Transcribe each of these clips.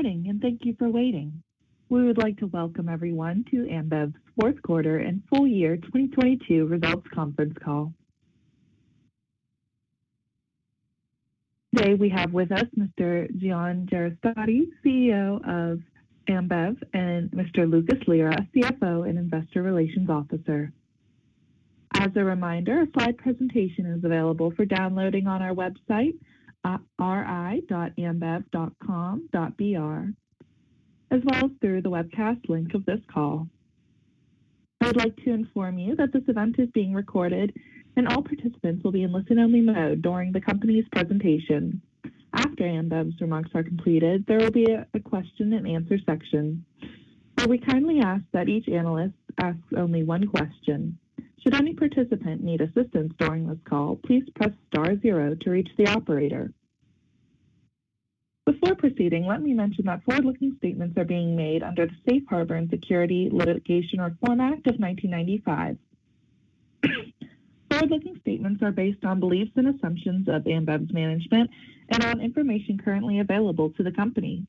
Good morning, and thank you for waiting. We would like to Welcome everyone to Ambev Fourth quarter and full year 2022 results conference call. Today we have with us Mr. Jean Jereissati, CEO of Ambev, and Mr. Lucas Lira, CFO and Investor Relations Officer. As a reminder, a slide presentation is available for downloading on our website, ri.ambev.com.br, as well as through the webcast link of this call. I would like to inform you that this event is being recorded and all participants will be in listen-only mode during the company's presentation. After Ambev's remarks are completed, there will be a question and answer section. We kindly ask that each analyst asks only one question. Should any participant need assistance during this call, please press star zero to reach the operator. Before proceeding, let me mention that forward-looking statements are being made under the Safe Harbor and Securities Litigation Reform Act of 1995. Forward-looking statements are based on beliefs and assumptions of Ambev's management and on information currently available to the company.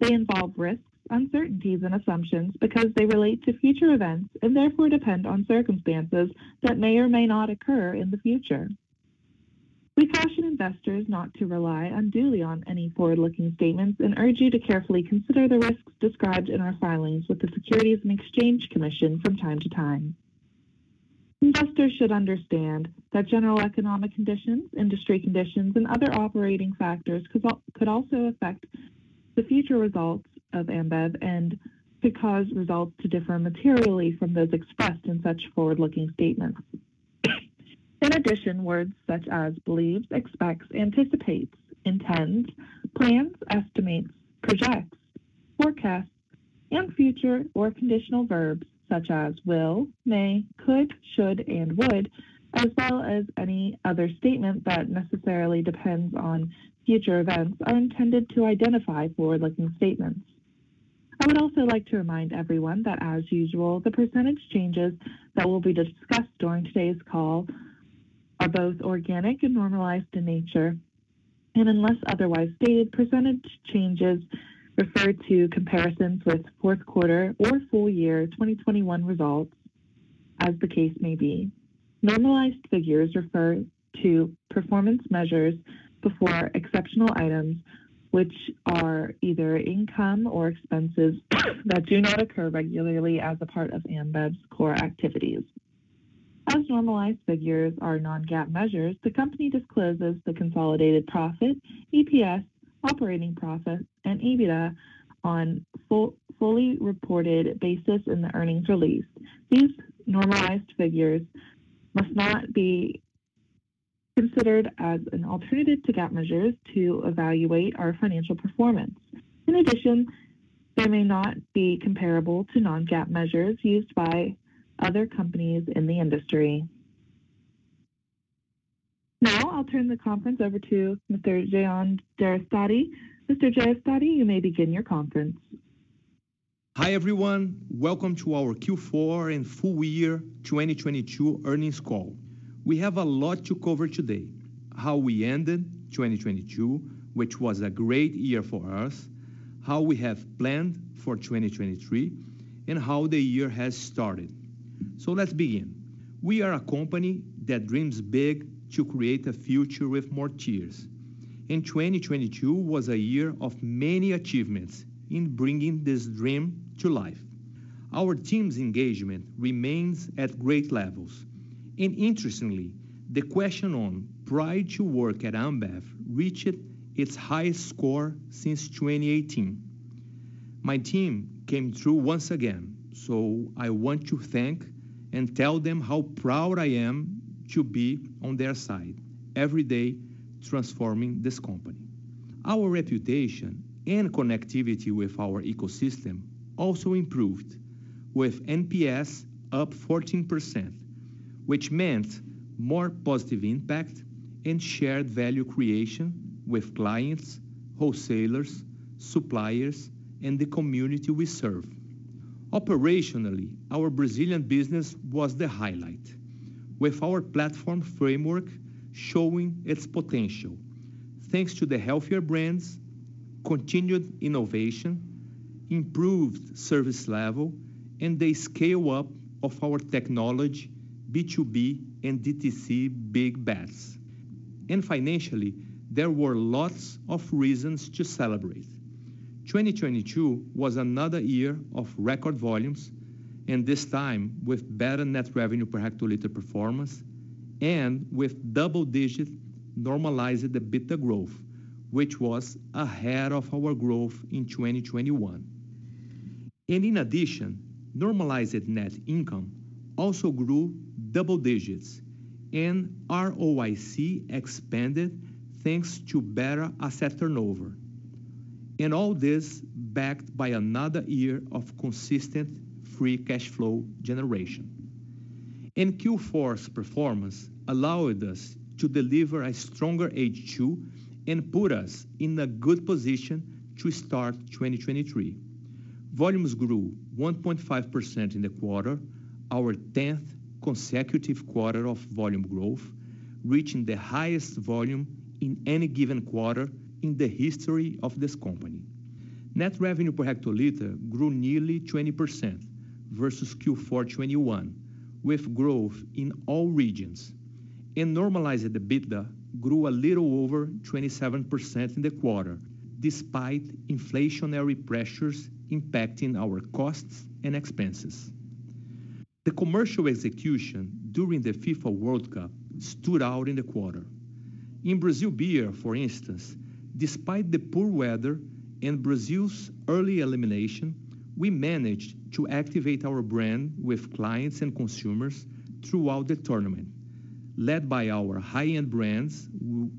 They involve risks, uncertainties, and assumptions because they relate to future events and therefore depend on circumstances that may or may not occur in the future. We caution investors not to rely unduly on any forward-looking statements and urge you to carefully consider the risks described in our filings with the SEC from time to time. Investors should understand that general economic conditions, industry conditions, and other operating factors could also affect the future results of Ambev and could cause results to differ materially from those expressed in such forward-looking statements. In addition, words such as believes, expects, anticipates, intends, plans, estimates, projects, forecasts, and future or conditional verbs such as will, may, could, should, and would, as well as any other statement that necessarily depends on future events, are intended to identify forward-looking statements. I would also like to remind everyone that, as usual, the percentage changes that will be discussed during today's call are both organic and normalized in nature. Unless otherwise stated, percentage changes refer to comparisons with fourth quarter or full year 2021 results as the case may be. Normalized figures refer to performance measures before exceptional items, which are either income or expenses that do not occur regularly as a part of Ambev's core activities. As normalized figures are non-GAAP measures, the company discloses the consolidated profit, EPS, operating profit, and EBITDA on fully reported basis in the earnings release. These normalized figures must not be considered as an alternative to GAAP measures to evaluate our financial performance. In addition, they may not be comparable to non-GAAP measures used by other companies in the industry. Now I'll turn the conference over to Mr. Jean Jereissati. Mr. Jereissati, you may begin your conference. Hi, everyone. Welcome to our Q4 and full year 2022 earnings call. We have a lot to cover today. How we ended 2022, which was a great year for us, how we have planned for 2023, and how the year has started. Let's begin. We are a company that dreams big to create a future with more cheers, 2022 was a year of many achievements in bringing this dream to life. Our team's engagement remains at great levels. Interestingly, the question on pride to work at Ambev reached its highest score since 2018. My team came through once again, I want to thank and tell them how proud I am to be on their side every day transforming this company. Our reputation and connectivity with our ecosystem also improved with NPS up 14%, which meant more positive impact and shared value creation with clients, wholesalers, suppliers, and the community we serve. Operationally, our Brazilian business was the highlight, with our platform framework showing its potential, thanks to the healthier brands, continued innovation, improved service level, and the scale-up of our technology, B2B, and DTC big bets. Financially, there were lots of reasons to celebrate. 2022 was another year of record volumes, this time with better net revenue per hectoliter performance and with double-digit normalized EBITDA growth, which was ahead of our growth in 2021. In addition, normalized net income also grew double digits, and ROIC expanded thanks to better asset turnover. All this backed by another year of consistent free cash flow generation. Q4's performance allowed us to deliver a stronger H2 and put us in a good position to start 2023. Volumes grew 1.5% in the quarter, our 10th consecutive quarter of volume growth, reaching the highest volume in any given quarter in the history of this company. Net revenue per hectoliter grew nearly 20% versus Q4 2021, with growth in all regions. Normalized EBITDA grew a little over 27% in the quarter despite inflationary pressures impacting our costs and expenses. The commercial execution during the FIFA World Cup stood out in the quarter. In Brazil Beer, for instance, despite the poor weather and Brazil's early elimination, we managed to activate our brand with clients and consumers throughout the tournament, led by our high-end brands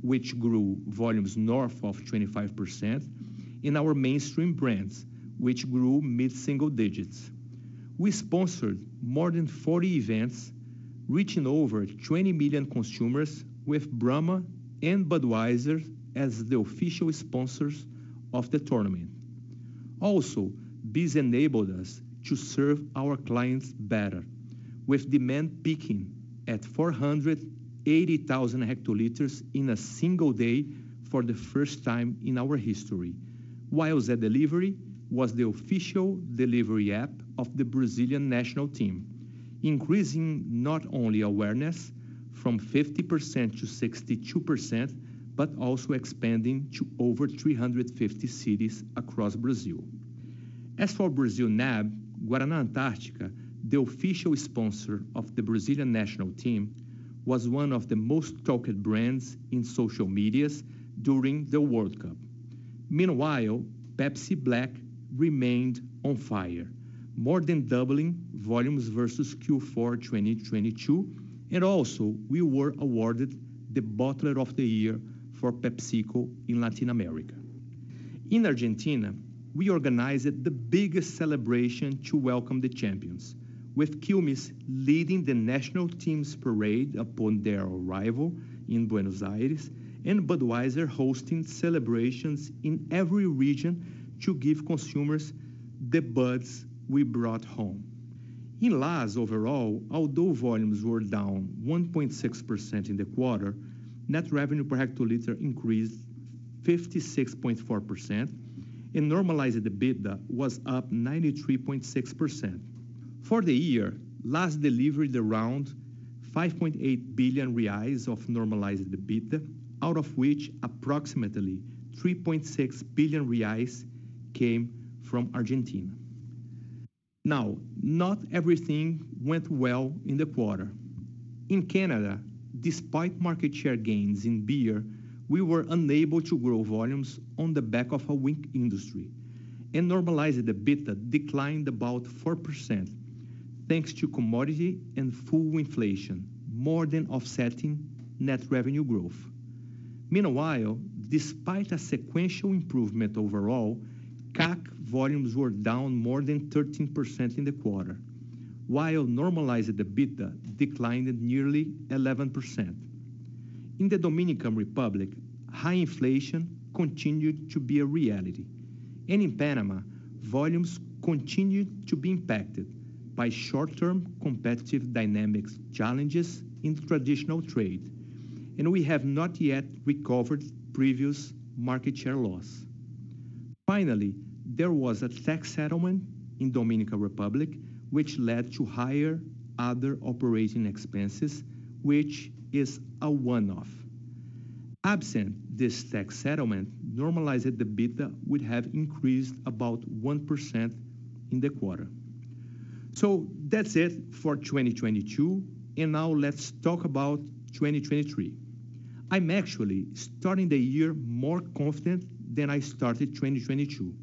which grew volumes north of 25% and our mainstream brands, which grew mid-single digits. We sponsored more than 40 events, reaching over 20 million consumers with Brahma and Budweiser as the official sponsors of the tournament. This enabled us to serve our clients better with demand peaking at 480,000 hectoliters in a single day for the first time in our history. While Zé Delivery was the official delivery app of the Brazilian national team, increasing not only awareness from 50% to 62%, but also expanding to over 350 cities across Brazil. As for Brazil NAB, Guaraná Antarctica, the official sponsor of the Brazilian national team, was one of the most talked brands in social media during the World Cup. Meanwhile, Pepsi Black remained on fire, more than doubling volumes versus Q4 2022. We were awarded the Bottler of the Year for PepsiCo in Latin America. In Argentina, we organized the biggest celebration to welcome the champions, with Quilmes leading the national team's parade upon their arrival in Buenos Aires, and Budweiser hosting celebrations in every region to give consumers the Buds we brought home. In LAS overall, although volumes were down 1.6% in the quarter, net revenue per hectoliter increased 56.4%, and normalized EBITDA was up 93.6%. For the year, LAS delivered around 5.8 billion reais of normalized EBITDA, out of which approximately 3.6 billion reais came from Argentina. Not everything went well in the quarter. In Canada, despite market share gains in beer, we were unable to grow volumes on the back of a weak industry. Normalized EBITDA declined about 4% thanks to commodity and full inflation, more than offsetting net revenue growth. Meanwhile, despite a sequential improvement overall, CAC volumes were down more than 13% in the quarter, while normalized EBITDA declined at nearly 11%. In the Dominican Republic, high inflation continued to be a reality. In Panama, volumes continued to be impacted by short-term competitive dynamics challenges in traditional trade, and we have not yet recovered previous market share loss. Finally, there was a tax settlement in Dominican Republic, which led to higher other operating expenses, which is a one-off. Absent this tax settlement, normalized EBITDA would have increased about 0.1% in the quarter. That's it for 2022, and now let's talk about 2023. I'm actually starting the year more confident than I started 2022.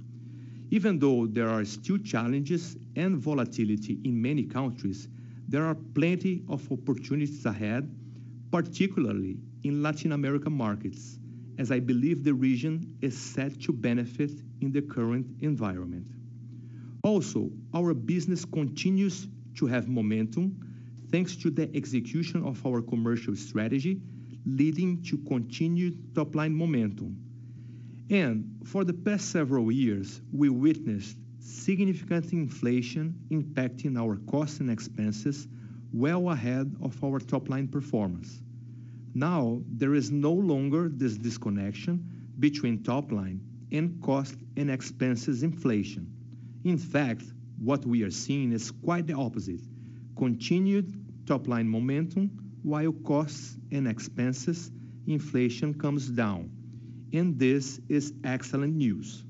Even though there are still challenges and volatility in many countries, there are plenty of opportunities ahead, particularly in Latin America markets, as I believe the region is set to benefit in the current environment. Also, our business continues to have momentum thanks to the execution of our commercial strategy, leading to continued top-line momentum. For the past several years, we witnessed significant inflation impacting our costs and expenses well ahead of our top-line performance. Now, there is no longer this disconnection between top line and cost and expenses inflation. In fact, what we are seeing is quite the opposite. Continued top-line momentum while costs and expenses inflation comes down, and this is excellent news.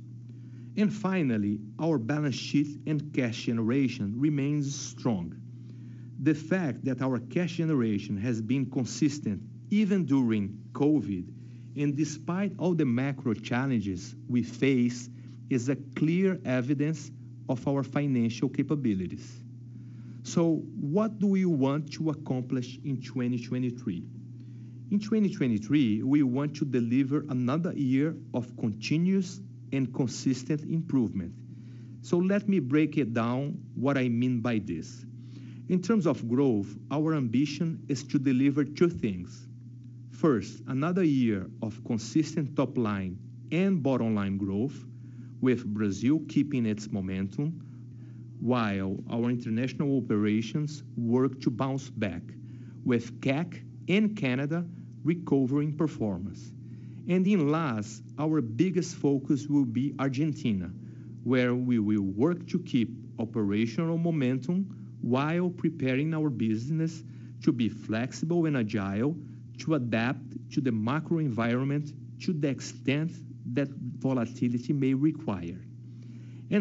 Finally, our balance sheet and cash generation remains strong. The fact that our cash generation has been consistent even during COVID and despite all the macro challenges we face, is a clear evidence of our financial capabilities. What do we want to accomplish in 2023? In 2023, we want to deliver another year of continuous and consistent improvement. Let me break it down what I mean by this. In terms of growth, our ambition is to deliver 2 things. First, another year of consistent top line and bottom line growth with Brazil keeping its momentum while our international operations work to bounce back with CAC in Canada recovering performance. In last, our biggest focus will be Argentina, where we will work to keep operational momentum while preparing our business to be flexible and agile, to adapt to the macro environment to the extent that volatility may require.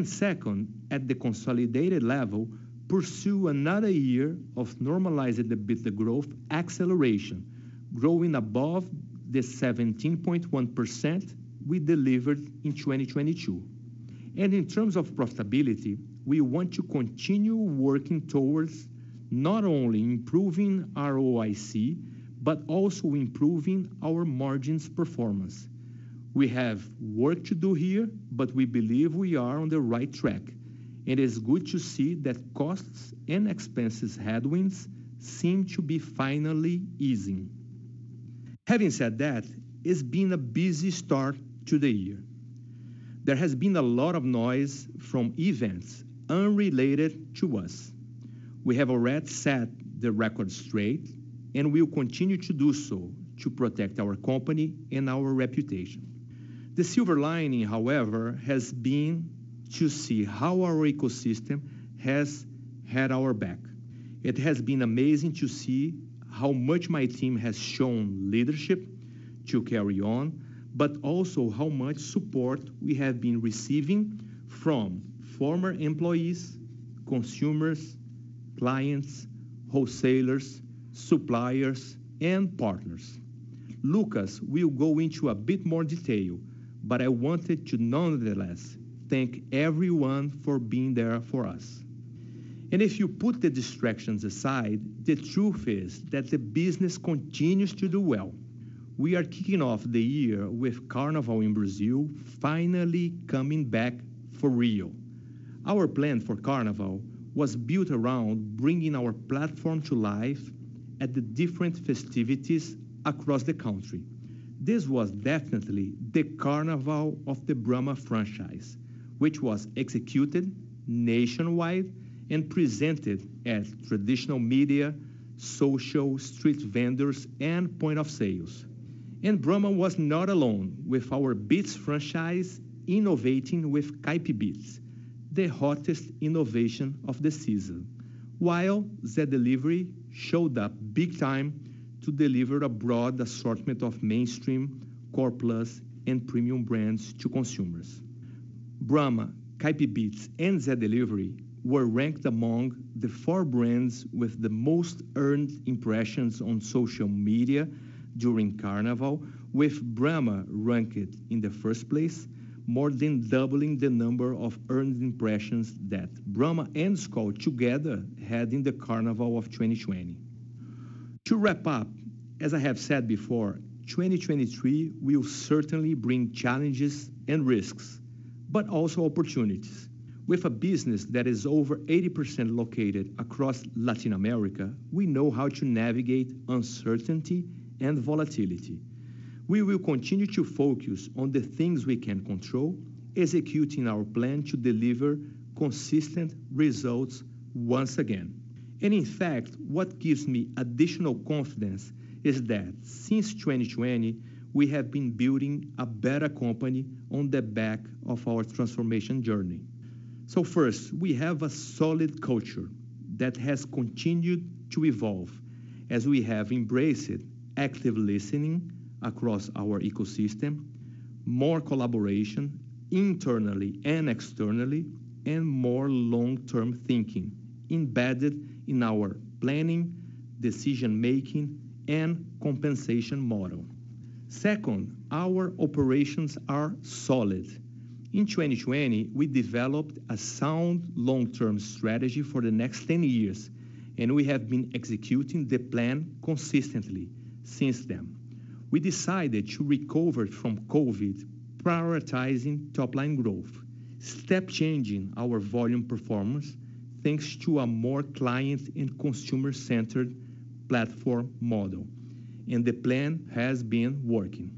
Second, at the consolidated level, pursue another year of normalizing the growth acceleration, growing above the 17.1% we delivered in 2022. In terms of profitability, we want to continue working towards not only improving ROIC, but also improving our margins performance. We have work to do here, but we believe we are on the right track, and it's good to see that costs and expenses headwinds seem to be finally easing. Having said that, it's been a busy start to the year. There has been a lot of noise from events unrelated to us. We have already set the record straight, and we will continue to do so to protect our company and our reputation. The silver lining, however, has been to see how our ecosystem has had our back. It has been amazing to see how much my team has shown leadership to carry on, also how much support we have been receiving from former employees, consumers, clients, wholesalers, suppliers and partners. Lucas will go into a bit more detail, I wanted to nonetheless thank everyone for being there for us. If you put the distractions aside, the truth is that the business continues to do well. We are kicking off the year with Carnival in Brazil finally coming back for real. Our plan for Carnival was built around bringing our platform to life at the different festivities across the country. This was definitely the carnival of the Brahma franchise, which was executed nationwide and presented as traditional media, social, street vendors and point of sales. Brahma was not alone with our Beats franchise innovating with CaipiBeats, the hottest innovation of the season. While Zé Delivery showed up big time to deliver a broad assortment of mainstream core plus and premium brands to consumers. Brahma, CaipiBeats and Zé Delivery were ranked among the four brands with the most earned impressions on social media during Carnival, with Brahma ranked in the first place, more than doubling the number of earned impressions that Brahma and Skol together had in the carnival of 2020. To wrap up, as I have said before, 2023 will certainly bring challenges and risks, but also opportunities. With a business that is over 80% located across Latin America, we know how to navigate uncertainty and volatility. We will continue to focus on the things we can control, executing our plan to deliver consistent results once again. In fact, what gives me additional confidence is that since 2020, we have been building a better company on the back of our transformation journey. First, we have a solid culture that has continued to evolve as we have embraced active listening across our ecosystem, more collaboration internally and externally, and more long-term thinking embedded in our planning, decision-making and compensation model. Second, our operations are solid. In 2020, we developed a sound long-term strategy for the next 10 years, and we have been executing the plan consistently since then. We decided to recover from COVID, prioritizing top line growth, step changing our volume performance thanks to a more client and consumer-centered platform model. The plan has been working.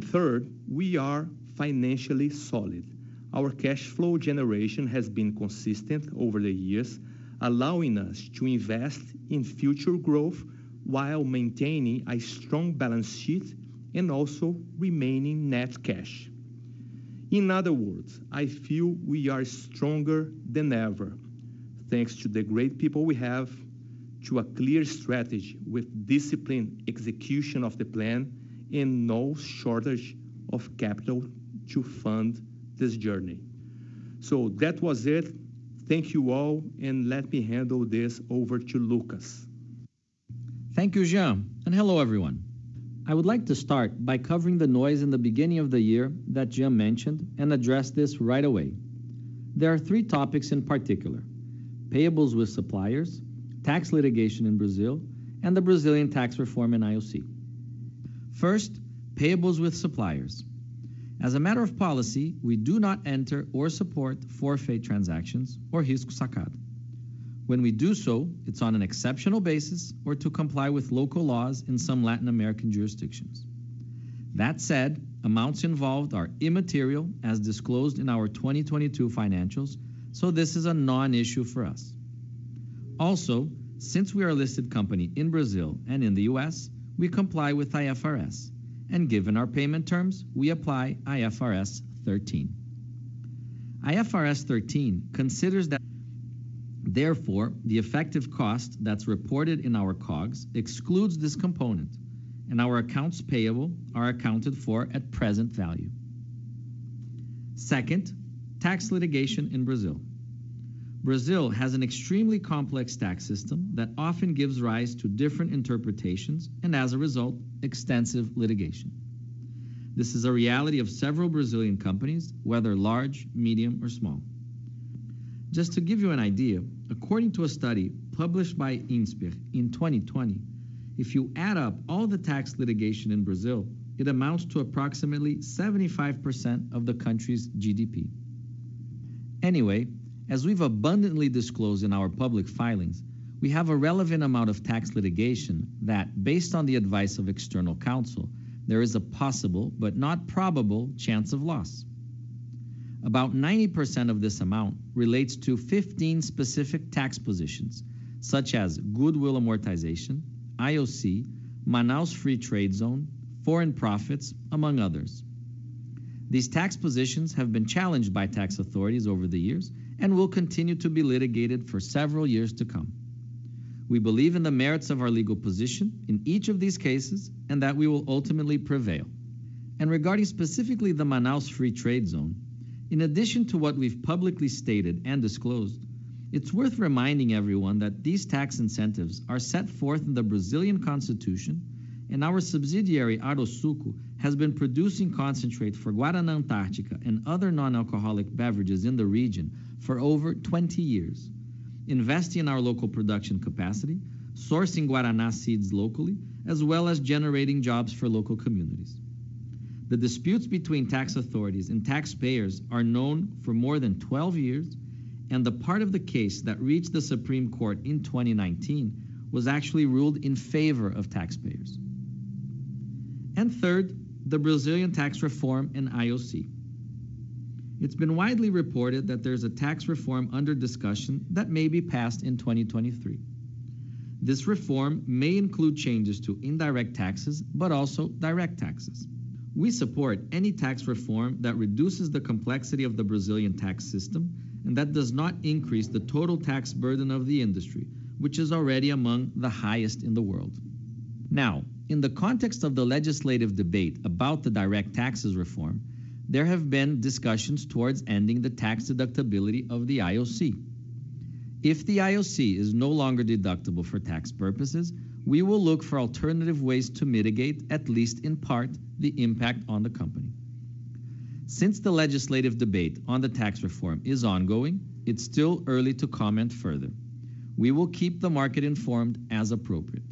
Third, we are financially solid. Our cash flow generation has been consistent over the years, allowing us to invest in future growth while maintaining a strong balance sheet and also remaining net cash. In other words, I feel we are stronger than ever thanks to the great people we have, to a clear strategy with disciplined execution of the plan and no shortage of capital to fund this journey. That was it. Thank you all and let me handle this over to Lucas. Thank you, Jean, and hello everyone. I would like to start by covering the noise in the beginning of the year that Jean mentioned and address this right away. There are three topics in particular: payables with suppliers, tax litigation in Brazil, and the Brazilian tax reform and IOC. First, payables with suppliers. As a matter of policy, we do not enter or support forfaitingtransactions or Risco Sacado. When we do so, it's on an exceptional basis or to comply with local laws in some Latin American jurisdictions. That said, amounts involved are immaterial as disclosed in our 2022 financials, so this is a non-issue for us. Also, since we are a listed company in Brazil and in the US we comply with IFRS. Given our payment terms, we apply IFRS 13. IFRS 13 considers therefore, the effective cost that's reported in our COGS excludes this component, and our accounts payable are accounted for at present value. Second, tax litigation in Brazil. Brazil has an extremely complex tax system that often gives rise to different interpretations and, as a result, extensive litigation. This is a reality of several Brazilian companies, whether large, medium, or small. Just to give you an idea, according to a study published by Insper in 2020, if you add up all the tax litigation in Brazil, it amounts to approximately 75% of the country's GDP. Anyway, as we've abundantly disclosed in our public filings, we have a relevant amount of tax litigation that, based on the advice of external counsel, there is a possible but not probable chance of loss. About 90% of this amount relates to 15 specific tax positions, such as goodwill amortization, IOC, Manaus Free Trade Zone, foreign profits, among others. These tax positions have been challenged by tax authorities over the years and will continue to be litigated for several years to come. We believe in the merits of our legal position in each of these cases and that we will ultimately prevail. Regarding specifically the Manaus Free Trade Zone, in addition to what we've publicly stated and disclosed, it's worth reminding everyone that these tax incentives are set forth in the Brazilian Constitution and our subsidiary, Arosuco, has been producing concentrate for Guaraná Antarctica and other non-alcoholic beverages in the region for over 20 years, investing in our local production capacity, sourcing Guaraná seeds locally, as well as generating jobs for local communities. The disputes between tax authorities and taxpayers are known for more than 12 years, the part of the case that reached the Supreme Court in 2019 was actually ruled in favor of taxpayers. Third, the Brazilian tax reform and IOC. It's been widely reported that there's a tax reform under discussion that may be passed in 2023. This reform may include changes to indirect taxes, but also direct taxes. We support any tax reform that reduces the complexity of the Brazilian tax system and that does not increase the total tax burden of the industry, which is already among the highest in the world. Now, in the context of the legislative debate about the direct taxes reform, there have been discussions towards ending the tax deductibility of the IOC. If the IOC is no longer deductible for tax purposes, we will look for alternative ways to mitigate, at least in part, the impact on the company. Since the legislative debate on the tax reform is ongoing, it's still early to comment further. We will keep the market informed as appropriate.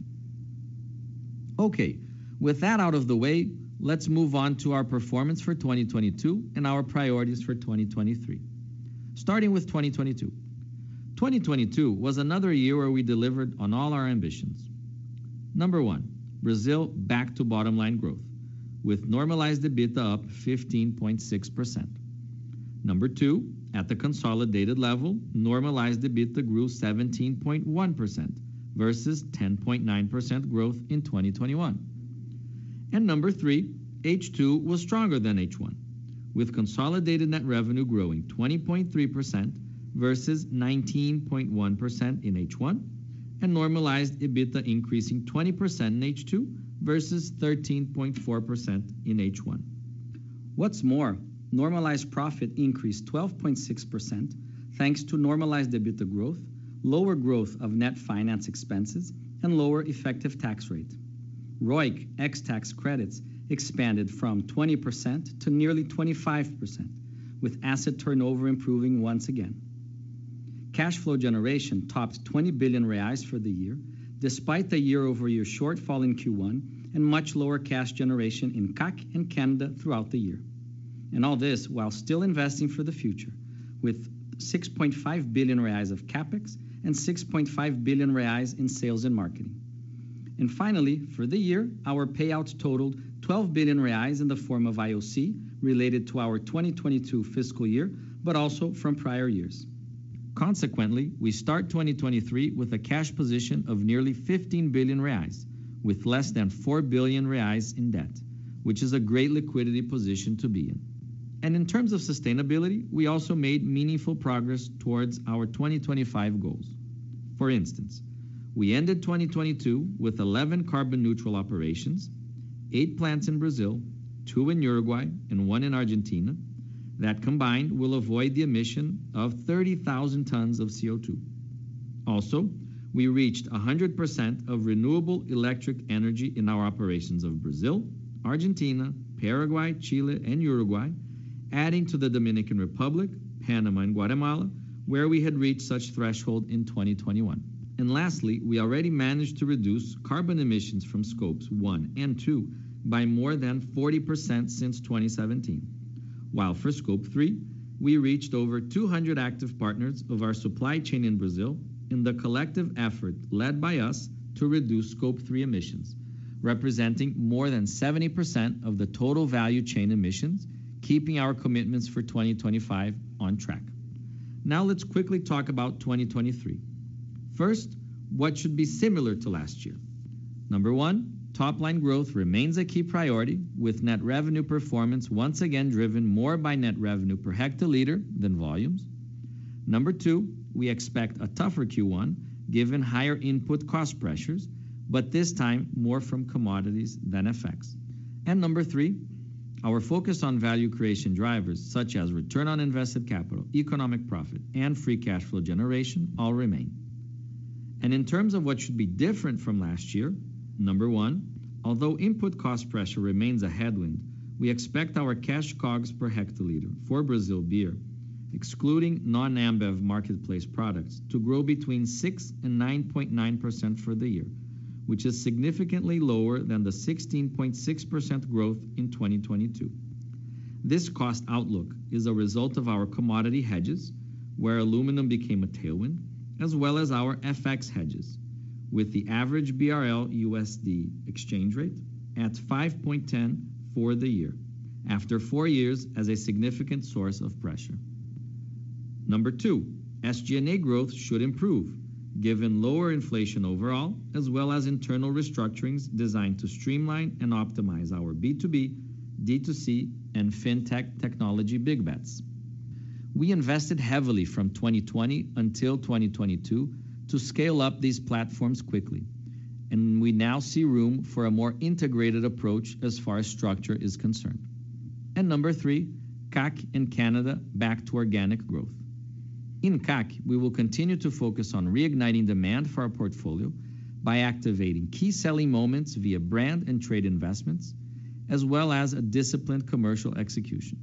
Okay. With that out of the way, let's move on to our performance for 2022 and our priorities for 2023. Starting with 2022. 2022 was another year where we delivered on all our ambitions. Number one, Brazil back to bottom line growth with normalized EBITDA up 15.6%. Number two, at the consolidated level, normalized EBITDA grew 17.1% versus 10.9% growth in 2021. Number three, H2 was stronger than H1, with consolidated net revenue growing 20.3% versus 19.1% in H1 and normalized EBITDA increasing 20% in H2 versus 13.4% in H1. What's more, normalized profit increased 12.6% thanks to normalized EBITDA growth, lower growth of net finance expenses, and lower effective tax rate. ROIC ex tax credits expanded from 20% to nearly 25%, with asset turnover improving once again. Cash flow generation topped 20 billion reais for the year, despite a year-over-year shortfall in Q1 and much lower cash generation in CAC and Canada throughout the year. All this while still investing for the future with 6.5 billion reais of CapEx and 6.5 billion reais in sales and marketing. Finally, for the year, our payouts totaled 12 billion reais in the form of IOC related to our 2022 fiscal year, but also from prior years. Consequently, we start 2023 with a cash position of nearly 15 billion reais with less than 4 billion reais in debt, which is a great liquidity position to be in. In terms of sustainability, we also made meaningful progress towards our 2025 goals. For instance, we ended 2022 with 11 carbon neutral operations, eight plants in Brazil, two in Uruguay, and one in Argentina that combined will avoid the emission of 30,000 tons of CO2. We reached 100% of renewable electric energy in our operations of Brazil, Argentina, Paraguay, Chile, and Uruguay, adding to the Dominican Republic, Panama, and Guatemala, where we had reached such threshold in 2021. Lastly, we already managed to reduce carbon emissions from Scope one and two by more than 40% since 2017. While for Scope 3, we reached over 200 active partners of our supply chain in Brazil in the collective effort led by us to reduce Scope three emissions, representing more than 70% of the total value chain emissions, keeping our commitments for 2025 on track. Let's quickly talk about 2023. First, what should be similar to last year? Number one, top-line growth remains a key priority, with net revenue performance once again driven more by net revenue per hectoliter than volumes. Number two, we expect a tougher Q1 given higher input cost pressures, but this time more from commodities than effects. three, our focus on value creation drivers such as return on invested capital, economic profit, and free cash flow generation all remain. In terms of what should be different from last year, one, although input cost pressure remains a headwind, we expect our cash COGS per hectoliter for Brazil beer, excluding non-Ambev marketplace products, to grow between 6% - 9.9% for the year, which is significantly lower than the 16.6% growth in 2022. This cost outlook is a result of our commodity hedges, where aluminum became a tailwind, as well as our FX hedges, with the average BRL-USD exchange rate at 5.10 for the year, after four years as a significant source of pressure. Number two, SG&A growth should improve given lower inflation overall, as well as internal restructurings designed to streamline and optimize our B2B, D2C, and Fintech technology big bets. We invested heavily from 2020 until 2022 to scale up these platforms quickly. We now see room for a more integrated approach as far as structure is concerned. Number three, CAC in Canada back to organic growth. In CAC, we will continue to focus on reigniting demand for our portfolio by activating key selling moments via brand and trade investments, as well as a disciplined commercial execution.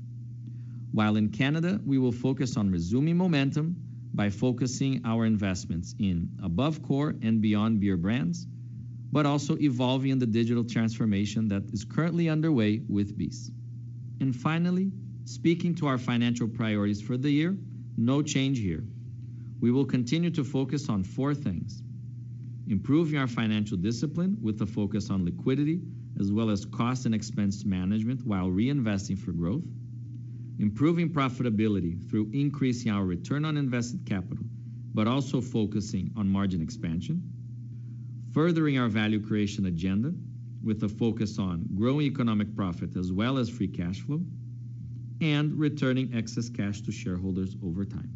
While in Canada, we will focus on resuming momentum by focusing our investments in above core and Beyond Beer brands, also evolving the digital transformation that is currently underway with BEES. Finally, speaking to our financial priorities for the year, no change here. We will continue to focus on four things. Improving our financial discipline with a focus on liquidity as well as cost and expense management while reinvesting for growth. Improving profitability through increasing our return on invested capital, but also focusing on margin expansion. Furthering our value creation agenda with a focus on growing economic profit as well as free cash flow. Returning excess cash to shareholders over time.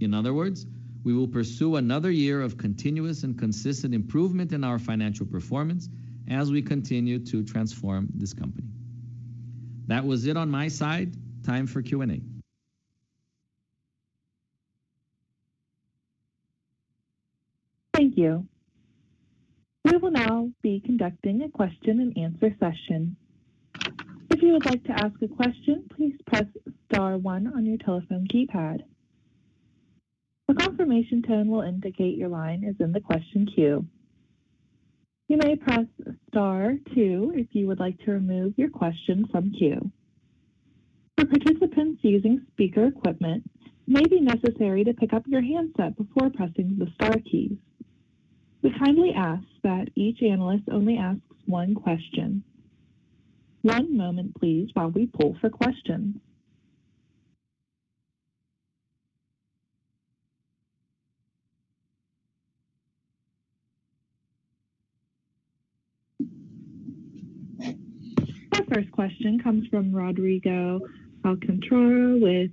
In other words, we will pursue another year of continuous and consistent improvement in our financial performance as we continue to transform this company. That was it on my side. Time for Q&A. Thank you. We will now be conducting a question and answer session. If you would like to ask a question, please press star one on your telephone keypad. A confirmation tone will indicate your line is in the question queue. You may press star two if you would like to remove your question from queue. For participants using speaker equipment, it may be necessary to pick up your handset before pressing the star keys. We kindly ask that each analyst only asks one question. One moment, please, while we pull for questions. Our first question comes from Rodrigo Alcantara with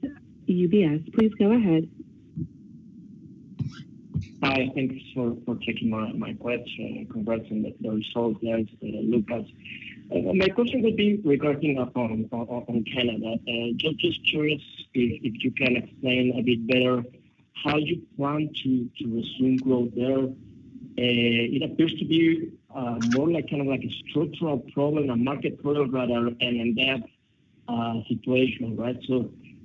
UBS. Please go ahead. Hi. Thank you for taking my question and congrats on the results guys, Lucas. My question would be regarding on Canada. Just curious if you can explain a bit better how you plan to resume growth there. It appears to be more like, kind of like a structural problem, a market problem rather an in-depth situation, right?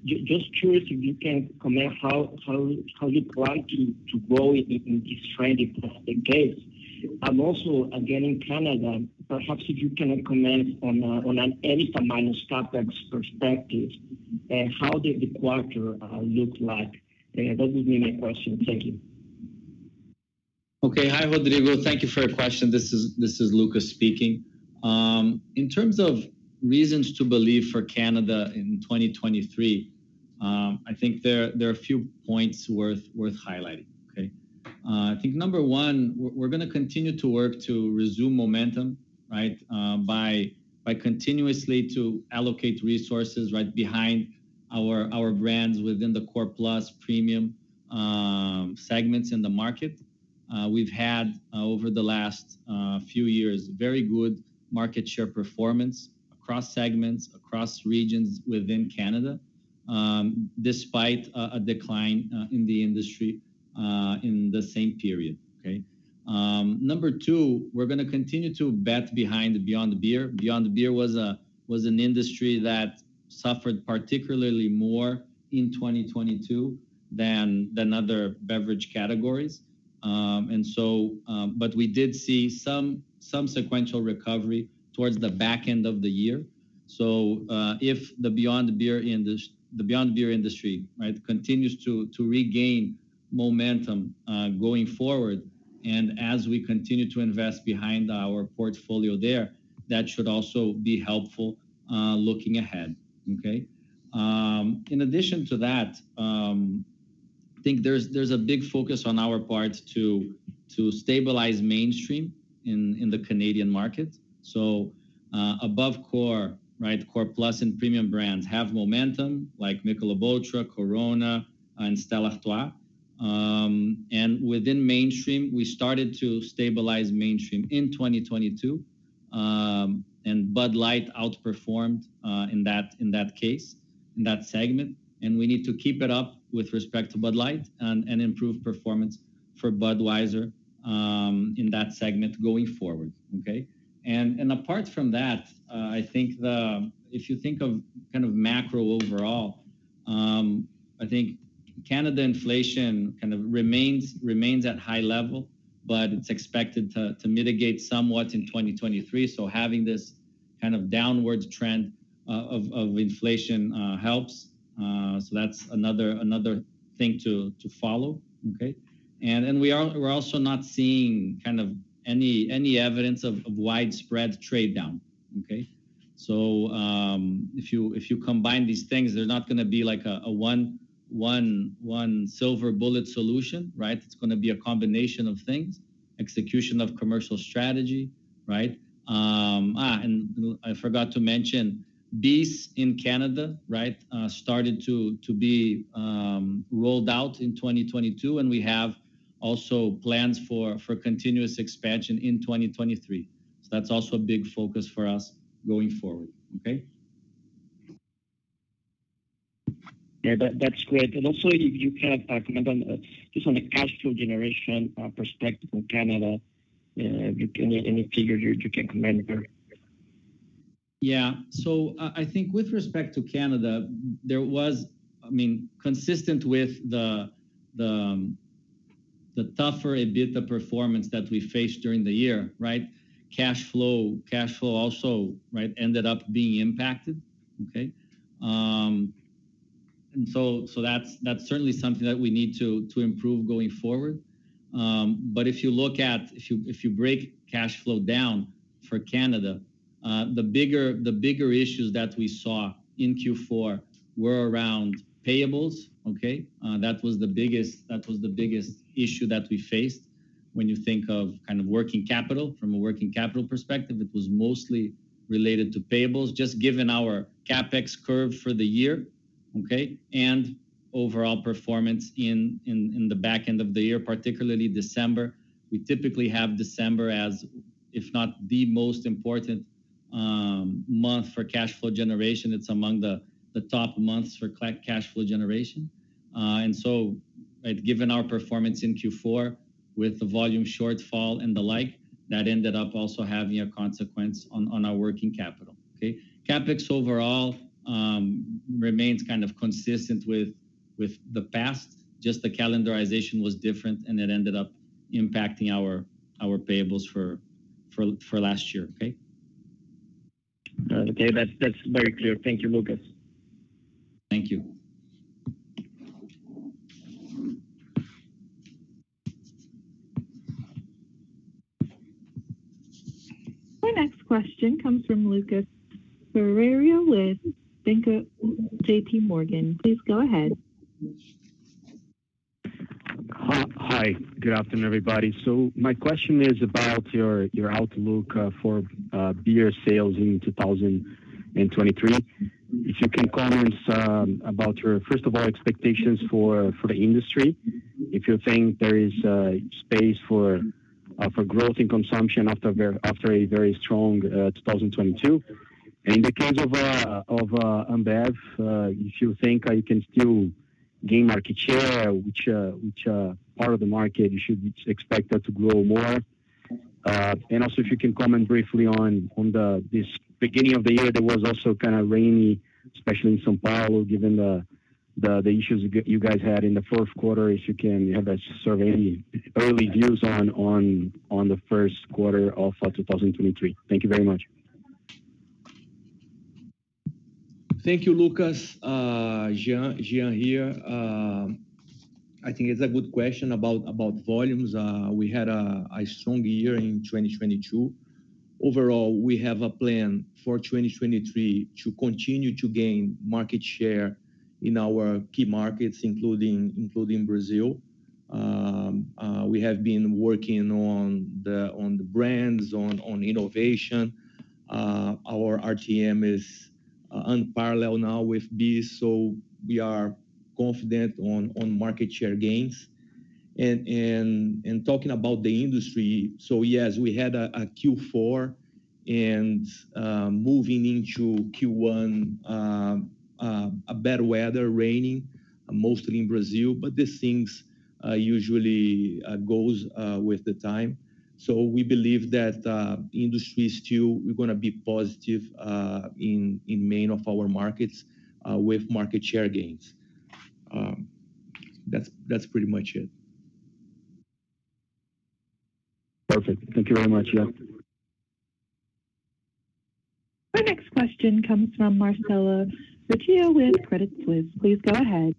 Just curious if you can comment how you plan to grow in this trend if that's the case. Also, again, in Canada, perhaps if you can comment on an EBITDA minus CapEx perspective, how did the quarter look like? That would be my question. Thank you. Okay. Hi, Rodrigo. Thank you for your question. This is Lucas speaking. In terms of reasons to believe for Canada in 2023, I think there are a few points worth highlighting, okay. I think number one, we're gonna continue to work to resume momentum, right, by continuously to allocate resources right behind our brands within the core plus premium segments in the market. We've had over the last few years, very good market share performance across segments, across regions within Canada, despite a decline in the industry in the same period, okay. Number two, we're gonna continue to bet behind the Beyond Beer. Beyond Beer was an industry that suffered particularly more in 2022 than other beverage categories. We did see some sequential recovery towards the back end of the year. If the Beyond Beer industry, right, continues to regain momentum going forward, and as we continue to invest behind our portfolio there, that should also be helpful looking ahead. Okay. In addition to that, I think there's a big focus on our part to stabilize mainstream in the Canadian market. Above core, right, core plus and premium brands have momentum like Michelob Ultra, Corona, and Stella Artois. Within mainstream, we started to stabilize mainstream in 2022, and Bud Light outperformed in that case, in that segment. We need to keep it up with respect to Bud Light and improve performance for Budweiser in that segment going forward. Okay. Apart from that, I think the... If you think of kind of macro overall, I think Canada inflation kind of remains at high level, but it's expected to mitigate somewhat in 2023. Having this kind of downwards trend of inflation helps. That's another thing to follow, okay? We're also not seeing kind of any evidence of widespread trade down. Okay? If you combine these things, there's not gonna be like a one silver bullet solution, right? It's gonna be a combination of things, execution of commercial strategy, right? I forgot to mention, BEES in Canada, right, started to be rolled out in 2022, and we have also plans for continuous expansion in 2023. That's also a big focus for us going forward. Okay? Yeah. That's great. Also if you can comment on just on the cash flow generation perspective in Canada. Any figures you can comment there? Yeah. I think with respect to Canada, there was, I mean, consistent with the tougher EBITDA performance that we faced during the year, right? Cash flow also, right, ended up being impacted. Okay? That's certainly something that we need to improve going forward. If you break cash flow down for Canada, the bigger issues that we saw in Q4 were around payables, okay? That was the biggest issue that we faced when you think of kind of working capital. From a working capital perspective, it was mostly related to payables. Just given our CapEx curve for the year, okay, and overall performance in the back end of the year, particularly December. We typically have December as, if not the most important, month for cash flow generation. It's among the top months for cash flow generation. Right, given our performance in Q4 with the volume shortfall and the like, that ended up also having a consequence on our working capital, okay? CapEx overall remains kind of consistent with the past, just the calendarization was different, and it ended up impacting our payables for last year. Okay? Okay. That's very clear. Thank you, Lucas. Thank you. Our next question comes from Lucas Ferreira with JPMorgan. Please go ahead. Hi. Good afternoon, everybody. My question is about your outlook for beer sales in 2023. If you can comment about your, first of all, expectations for the industry, if you think there is space for growth in consumption after a very strong 2022. In the case of Ambev, if you think you can still gain market share, which part of the market you should expect that to grow more. And also if you can comment briefly on the this beginning of the year, that was also kind of rainy, especially in São Paulo, given the issues you guys had in the fourth quarter. If you can have a sort of any early views on the first quarter of 2023. Thank you very much. Thank you, Lucas. Jean here. I think it's a good question about volumes. We had a strong year in 2022. Overall, we have a plan for 2023 to continue to gain market share in our key markets, including Brazil. We have been working on the brands, on innovation. Our RGM is unparalleled now with B, so we are confident on market share gains. Talking about the industry, yes, we had a Q4 and moving into Q1, a bad weather, raining, mostly in Brazil, but these things usually goes with the time. We believe that industry still, we're gonna be positive in main of our markets with market share gains. That's pretty much it. Perfect. Thank you very much, yeah. Our next question comes from Marcella Recchia with Credit Suisse. Please go ahead.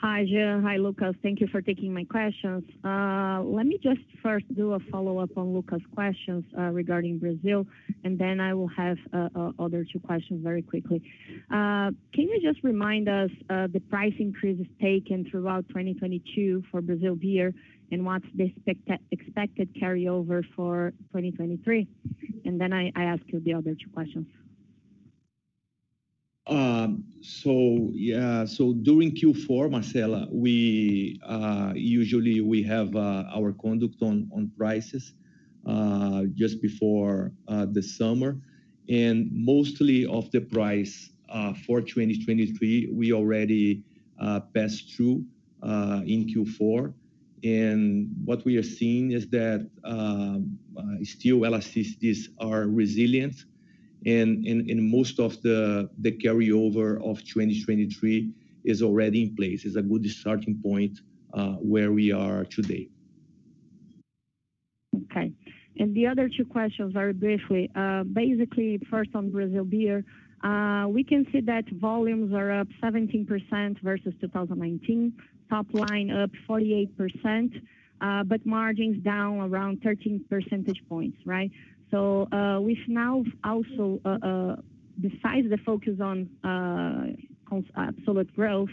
Hi, Jean. Hi, Lucas. Thank you for taking my questions. Let me just first do a follow-up on Lucas' questions, regarding Brazil, and then I will have other two questions very quickly. Can you just remind us, the price increases taken throughout 2022 for Brazil beer and what's the expected carryover for 2023? Then I ask you the other two questions. During Q4, Marcella, we usually have our conduct on prices just before the summer. Mostly of the price for 2023, we already passed through in Q4. What we are seeing is that still elasticities are resilient and most of the carryover of 2023 is already in place. It's a good starting point where we are today. Okay. The other two questions, very briefly. Basically first on Brazil beer. We can see that volumes are up 17% versus 2019, top line up 48%, but margins down around 13 percentage points, right? With now also, besides the focus on absolute growth,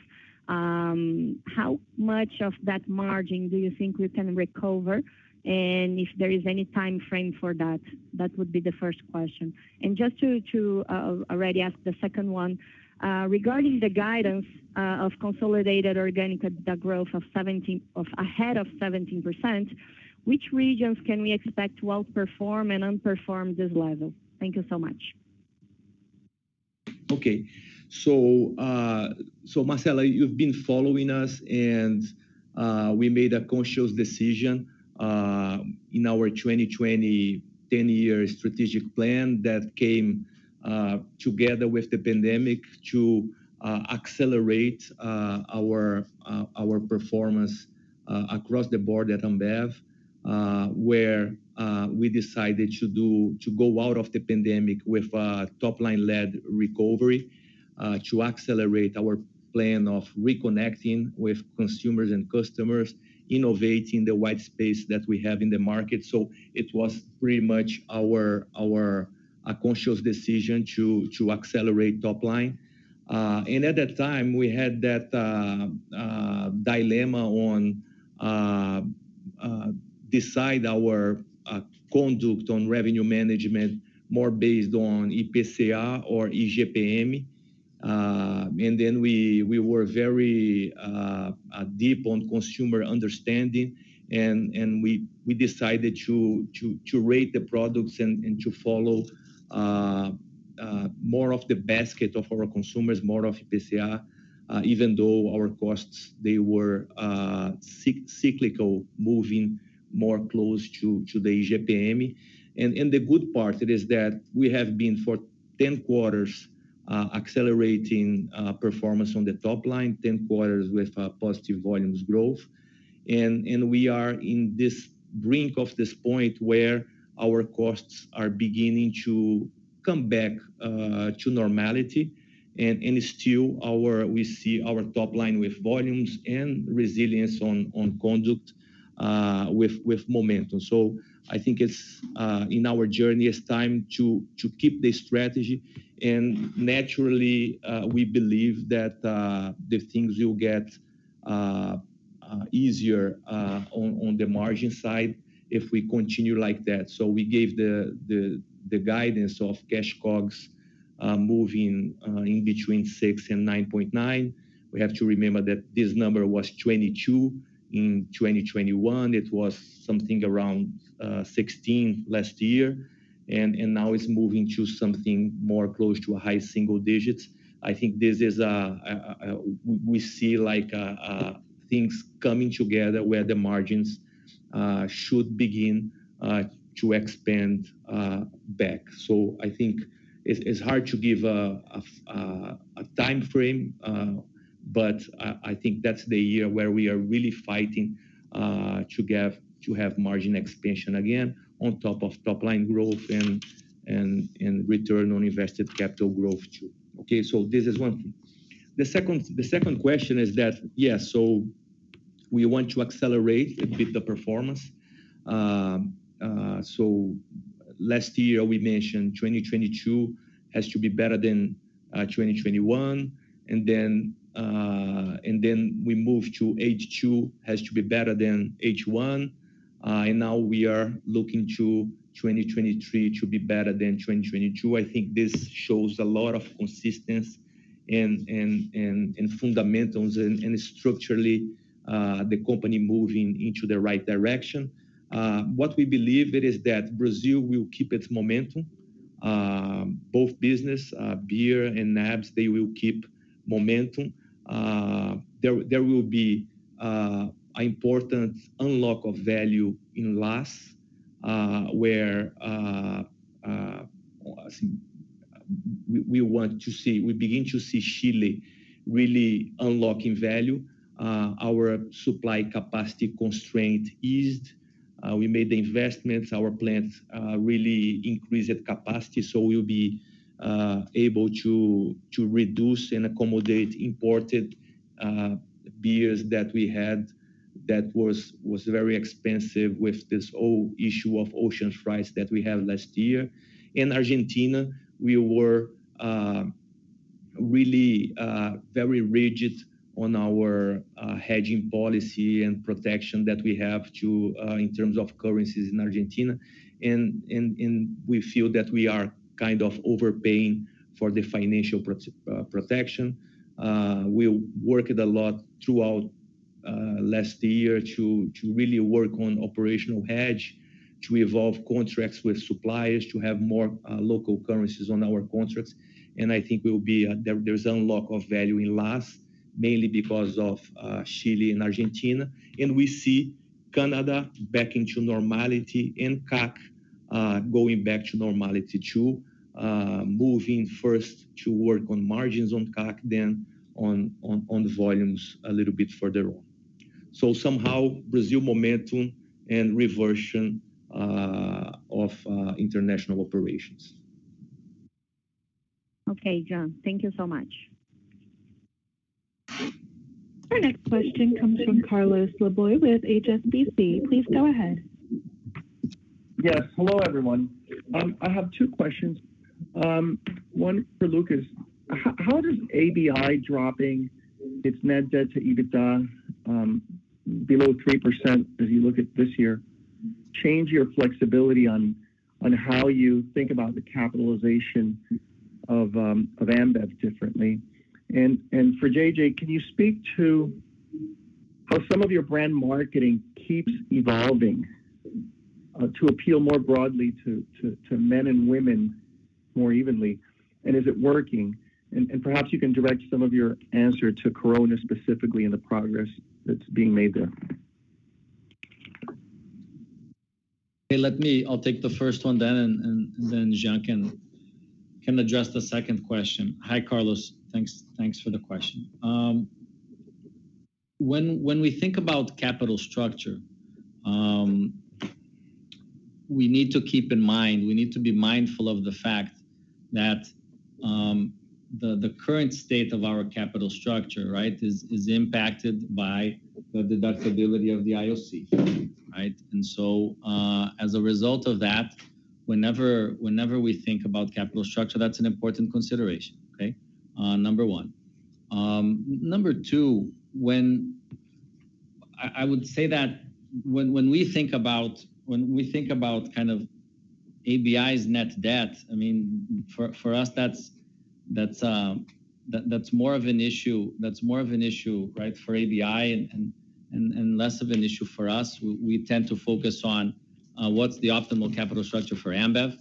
how much of that margin do you think you can recover, and if there is any timeframe for that? That would be the first question. Just to already ask the second one, regarding the guidance of consolidated organic growth of ahead of 17%, which regions can we expect to outperform and underperform this level? Thank you so much. Marcela, you've been following us and we made a conscious decision in our 2020 10th year strategic plan that came together with the pandemic to accelerate our performance across the board at Ambev, where we decided to go out of the pandemic with a top-line led recovery to accelerate our plan of reconnecting with consumers and customers, innovating the white space that we have in the market. It was pretty much our. A conscious decision to accelerate top line. And at that time, we had that dilemma on decide our conduct on revenue management more based on EPCR or EGPM. We, we were very deep on consumer understanding and we decided to rate the products and to follow more of the basket of our consumers, more of EPCR, even though our costs, they were cyclical, moving more close to the EGPM. The good part it is that we have been for 10 quarters accelerating performance on the top line, 10 quarters with positive volumes growth. We are in this brink of this point where our costs are beginning to come back to normality. Still our, we see our top line with volumes and resilience on conduct with momentum. I think it's in our journey, it's time to keep the strategy. Naturally, we believe that the things will get easier on the margin side if we continue like that. We gave the guidance of cash COGS moving in between 6% and 9.9%. We have to remember that this number was 22% in 2021. It was something around 16% last year. Now it's moving to something more close to a high single digits. I think this is, we see like things coming together where the margins should begin to expand back. I think it's hard to give a timeframe, but I think that's the year where we are really fighting to have margin expansion again on top of top-line growth and return on invested capital growth too. This is one thing. The second question is that we want to accelerate a bit the performance. Last year we mentioned 2022 has to be better than 2021, and then we moved to H2 has to be better than H1. Now we are looking to 2023 to be better than 2022. I think this shows a lot of consistency and fundamentals and structurally the company moving into the right direction. What we believe it is that Brazil will keep its momentum. Both business, beer and NABS, they will keep momentum. There will be an important unlock of value in LAS, where we begin to see Chile really unlocking value. Our supply capacity constraint eased. We made the investments. Our plants really increased capacity, so we'll be able to reduce and accommodate imported beers that we had that was very expensive with this whole issue of ocean price that we had last year. In Argentina, we were really very rigid on our hedging policy and protection that we have to in terms of currencies in Argentina. We feel that we are kind of overpaying for the financial protection. We worked a lot throughout last year to really work on operational hedge, to evolve contracts with suppliers, to have more local currencies on our contracts. I think we'll be there's unlock of value in LAS, mainly because of Chile and Argentina. We see Canada back into normality and CAC going back to normality too. Moving first to work on margins on CAC, then on volumes a little bit further on. Somehow Brazil momentum and reversion of international operations. Okay, Jean Thank you so much. Our next question comes from Carlos Laboy with HSBC. Please go ahead. Yes. Hello, everyone. I have two questions. One for Lucas. How does ABI dropping its net debt to EBITDA below 0.3% as you look at this year, change your flexibility on how you think about the capitalization of Ambev differently? For J.J., can you speak to how some of your brand marketing keeps evolving to appeal more broadly to men and women more evenly? Is it working? Perhaps you can direct some of your answer to Corona specifically and the progress that's being made there. Okay. I'll take the first one then, and then João can address the second question. Hi, Carlos. Thanks for the question. When we think about capital structure, we need to keep in mind, we need to be mindful of the fact that the current state of our capital structure, right, is impacted by the deductibility of the IOC, right? As a result of that, whenever we think about capital structure, that's an important consideration, okay? Number one. Number two, I would say that when we think about kind of ABI's net debt, I mean, for us that's more of an issue, right, for ABI and less of an issue for us. We tend to focus on what's the optimal capital structure for Ambev,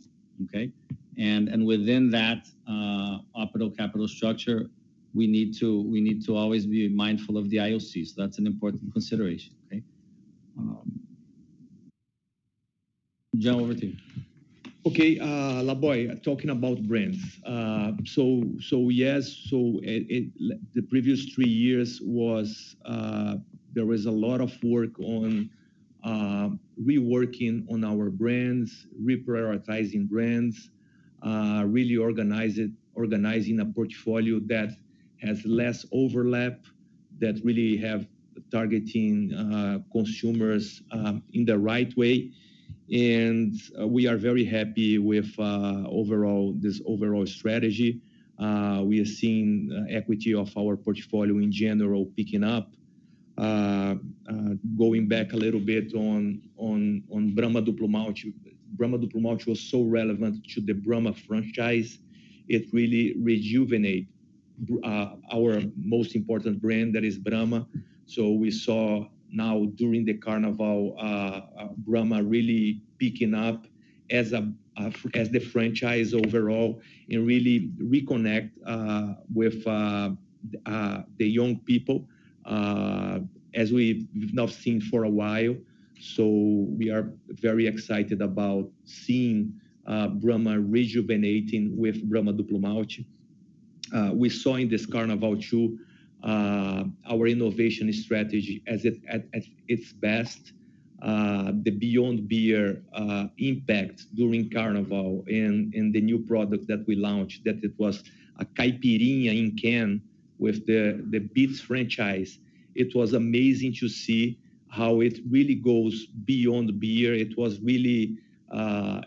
okay. Within that, optimal capital structure, we need to always be mindful of the IOC. That's an important consideration, okay. Jean, over to you. Okay. Laboy, talking about brands. Yes, at the previous three years, there was a lot of work on reworking on our brands, reprioritizing brands, really organizing a portfolio that has less overlap, that really have targeting consumers in the right way. We are very happy with overall, this overall strategy. We are seeing equity of our portfolio in general picking up. Going back a little bit on Brahma Duplo Malte. Brahma Duplo Malte was so relevant to the Brahma franchise. It really rejuvenate our most important brand, that is Brahma. We saw now during the carnival, Brahma really picking up as the franchise overall and really reconnect with the young people as we've not seen for a while. We are very excited about seeing Brahma rejuvenating with Brahma Duplo Malte. We saw in this carnival too, our innovation strategy at its best, the Beyond Beer impact during carnival and the new product that we launched, that it was a Caipirinha in can with the Beats franchise. It was amazing to see how it really goes Beyond Beer. It was really,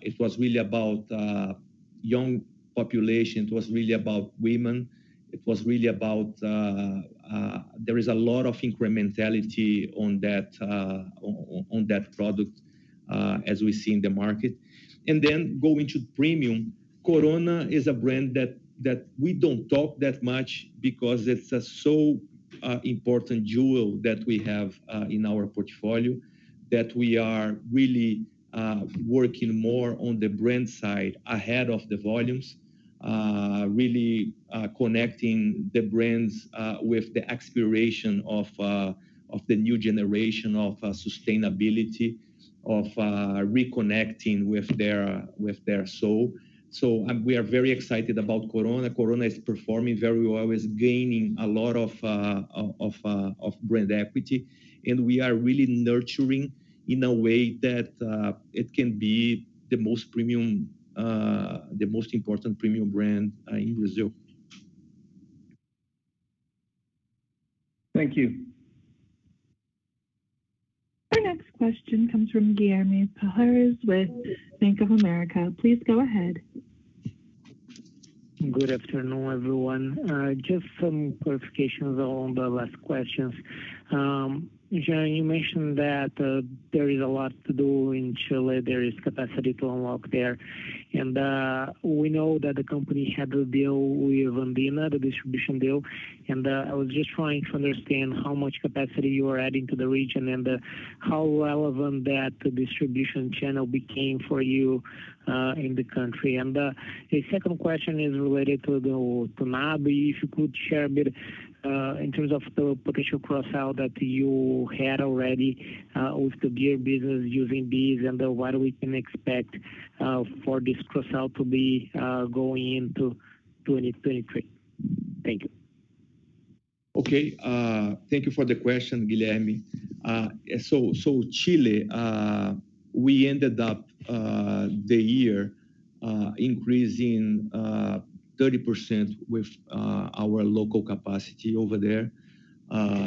it was really about young population. It was really about women. It was really about there is a lot of incrementality on that product as we see in the market. Going to premium. Corona is a brand that we don't talk that much because it's a so important jewel that we have in our portfolio that we are really working more on the brand side ahead of the volumes. Really connecting the brands with the exploration of the new generation of sustainability, of reconnecting with their soul. We are very excited about Corona. Corona is performing very well, is gaining a lot of brand equity. We are really nurturing in a way that it can be the most premium, the most important premium brand in Brazil. Thank you. Our next question comes from Guilherme Palhares with Bank of America. Please go ahead. Good afternoon, everyone. Just some clarifications on the last questions. Jean, you mentioned that there is a lot to do in Chile. There is capacity to unlock there. We know that the company had a deal with Embotelladora Andina, the distribution deal. I was just trying to understand how much capacity you are adding to the region and how relevant that distribution channel became for you in the country. The second question is related to NAB. If you could share a bit in terms of the potential cross-sell that you had already with the beer business using these, and what we can expect for this cross-sell to be going into 2023. Thank you. Okay. Thank you for the question, Guilherme. Chile, we ended up the year increasing 30% with our local capacity over there.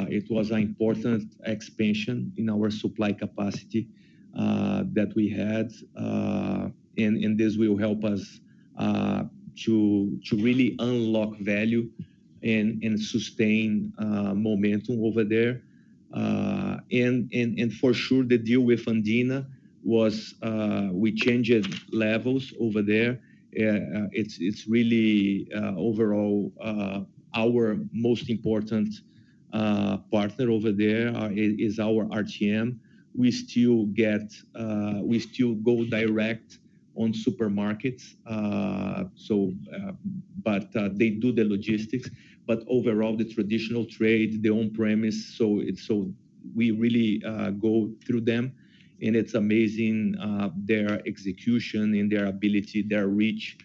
It was an important expansion in our supply capacity that we had. This will help us to really unlock value and sustain momentum over there. For sure the deal with Embotelladora Andina was we changed levels over there. It's really overall our most important partner over there, is our RTM. We still get, we still go direct on supermarkets. But, they do the logistics. Overall, the traditional trade, their own premise, we really go through them. It's amazing, their execution and their ability, their reach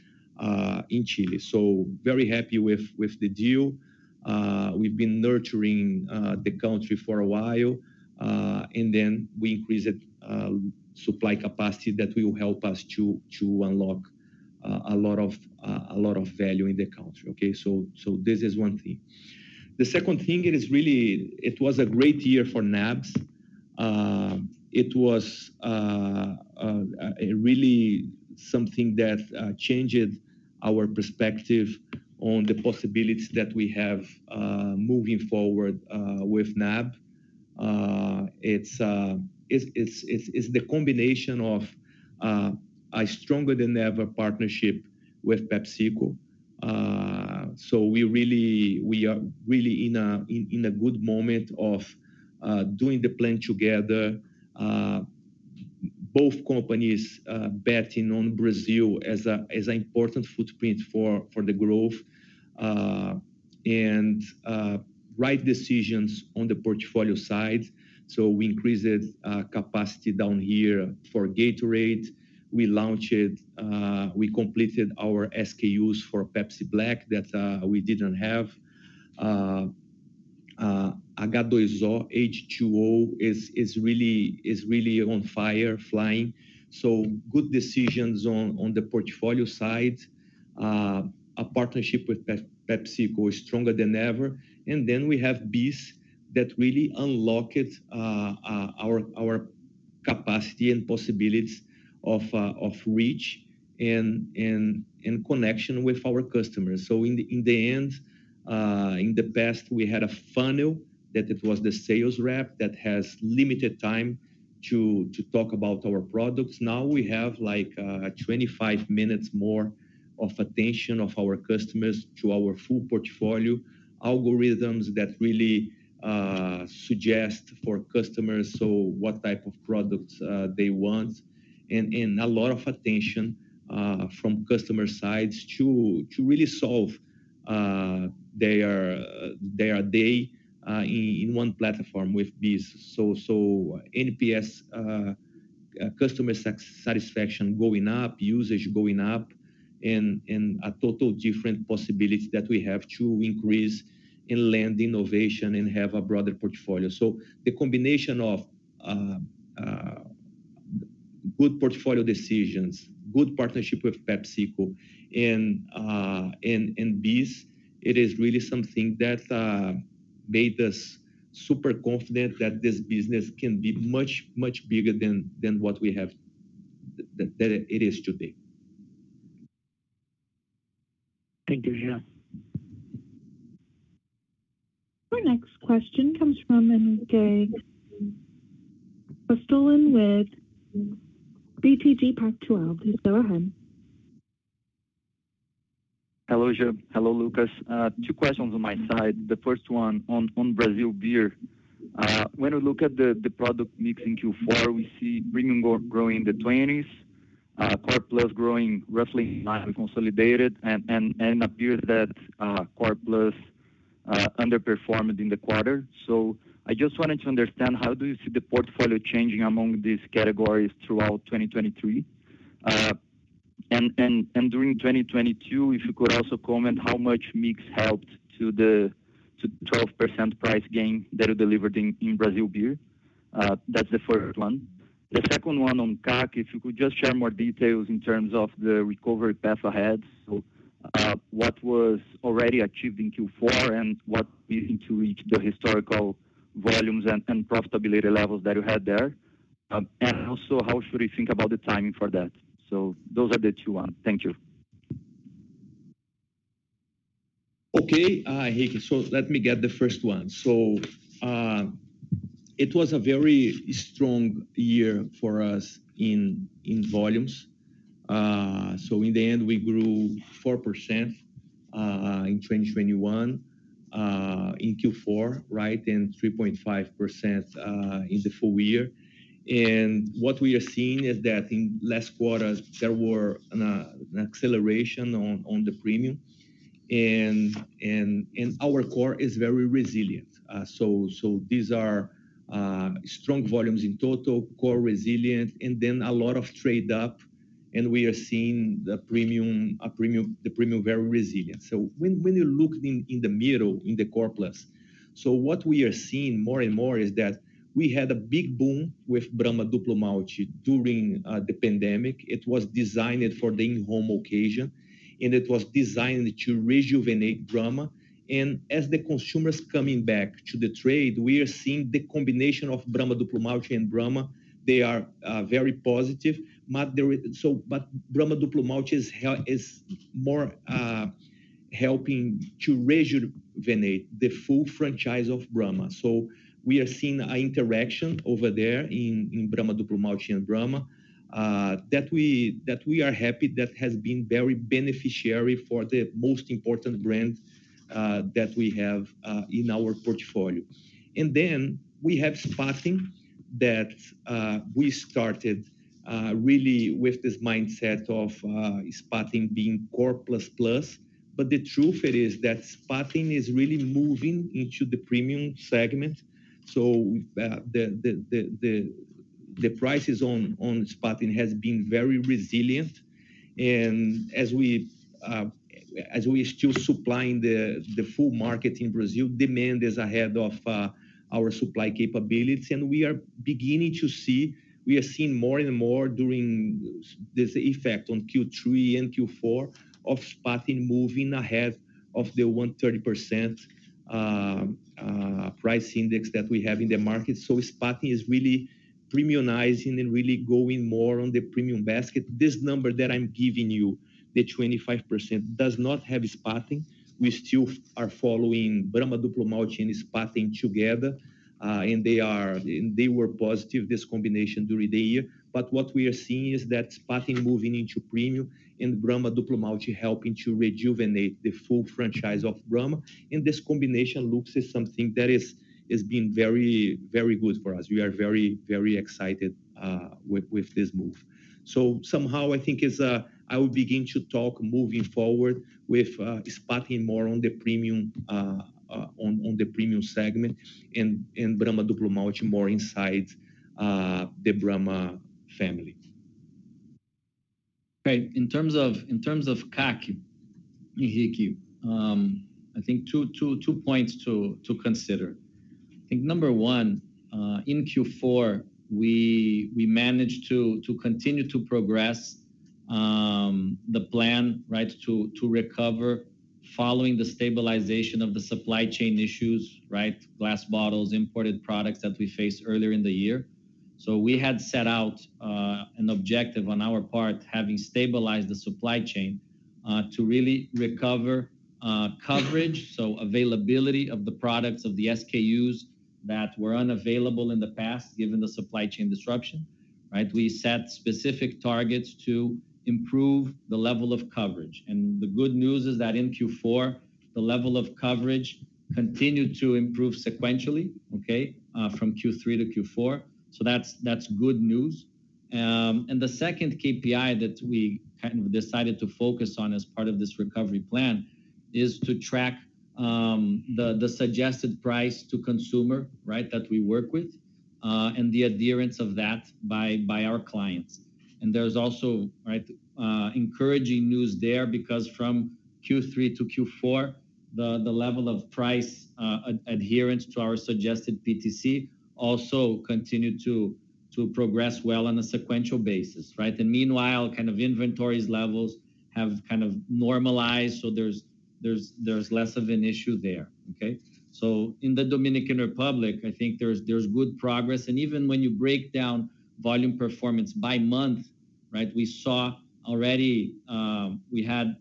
in Chile. Very happy with the deal. We've been nurturing the country for a while, we increased supply capacity that will help us to unlock a lot of value in the country. This is one thing. The second thing, it was a great year for NAB. It was really something that changed our perspective on the possibilities that we have moving forward with NAB. It's the combination of a stronger than ever partnership with PepsiCo. We are really in a good moment of doing the plan together. Both companies betting on Brazil as a important footprint for the growth and right decisions on the portfolio side. We increased capacity down here for Gatorade. We launched, we completed our SKU for Pepsi Black that we didn't have. H2OH! is really on fire, flying. Good decisions on the portfolio side. A partnership with PepsiCo is stronger than ever. We have BEES that really unlocked our capacity and possibilities of reach and connection with our customers. In the end, in the past, we had a funnel that it was the sales rep that has limited time to talk about our products. Now we have like, 25 minutes more of attention of our customers to our full portfolio. Algorithms that really suggest for customers, what type of products they want. A lot of attention from customer sides to really solve their day in one platform with this. NPS, customer satisfaction going up, usage going up, and a total different possibility that we have to increase and land innovation and have a broader portfolio. The combination of good portfolio decisions, good partnership with PepsiCo and BEES, it is really something that made us super confident that this business can be much bigger than than it is today. Thank you, Jean. Our next question comes from Thiago Callegari with BTG Pactual. Please go ahead. Hello, Jean. Hello, Lucas. two questions on my side. The first one on Brazil beer. When we look at the product mix in Q4, we see premium growing in the 20s, core plus growing roughly nine consolidated and appears that core plus underperformed in the quarter. I just wanted to understand how do you see the portfolio changing among these categories throughout 2023? And during 2022, if you could also comment how much mix helped to the 12% price gain that are delivered in Brazil beer. That's the first one. The second one on CAC, if you could just share more details in terms of the recovery path ahead. What was already achieved in Q4 and what we need to reach the historical volumes and profitability levels that you had there. How should we think about the timing for that? Those are the two ones. Thank you. Okay. Ricky, let me get the first one. It was a very strong year for us in volumes. In the end we grew 0.4% in 2021 in Q4, right? 3.5% in the full year. What we are seeing is that in last quarters, there were an acceleration on the premium and our core is very resilient. These are strong volumes in total, core resilient, a lot of trade up, we are seeing the premium very resilient. When you look in the middle, in the core plus, what we are seeing more and more is that we had a big boom with Brahma Duplo Malte during the pandemic. It was designed for the in-home occasion, it was designed to rejuvenate Brahma. As the consumers coming back to the trade, we are seeing the combination of Brahma Duplo Malte and Brahma. They are very positive. Brahma Duplo Malte is more helping to rejuvenate the full franchise of Brahma. We are seeing a interaction over there in Brahma Duplo Malte and Brahma, that we, that we are happy, that has been very beneficiary for the most important brand that we have in our portfolio. We have Spaten that we started really with this mindset of Spaten being core plus plus. The truth it is that Spaten is really moving into the premium segment. The prices on Spaten has been very resilient. As we're still supplying the full market in Brazil, demand is ahead of our supply capabilities. We are beginning to see, we are seeing more and more during this effect on Q3 and Q4 of Spaten moving ahead of the 130% price index that we have in the market. Spaten is really premiumizing and really going more on the premium basket. This number that I'm giving you, the 25%, does not have Spaten. We still are following Brahma Duplo Malte and Spaten together. They are, they were positive, this combination during the year. What we are seeing is that Spaten moving into premium and Brahma Duplo Malte helping to rejuvenate the full franchise of Brahma. This combination looks as something that is been very, very good for us. We are very excited with this move. Somehow I think it's I will begin to talk moving forward with Spaten more on the premium segment and Brahma Duplo Malte more inside the Brahma family. Okay. In terms of CAC, Ricky, I think two points to consider. I think number one, in Q4, we managed to continue to progress the plan, right, to recover following the stabilization of the supply chain issues, right? Glass bottles, imported products that we faced earlier in the year. We had set out an objective on our part, having stabilized the supply chain, to really recover coverage, so availability of the products, of the SKU that were unavailable in the past, given the supply chain disruption, right? We set specific targets to improve the level of coverage. The good news is that in Q4, the level of coverage continued to improve sequentially, okay, from Q3 to Q4. That's good news. The second KPI that we kind of decided to focus on as part of this recovery plan is to track the suggested price to consumer, right, that we work with, and the adherence of that by our clients. There's also, right, encouraging news there because from Q3 to Q4, the level of price adherence to our suggested PTC also continued to progress well on a sequential basis, right? Meanwhile, kind of inventories levels have kind of normalized, so there's less of an issue there, okay? In the Dominican Republic, I think there's good progress. Even when you break down volume performance by month, right? We saw already, we had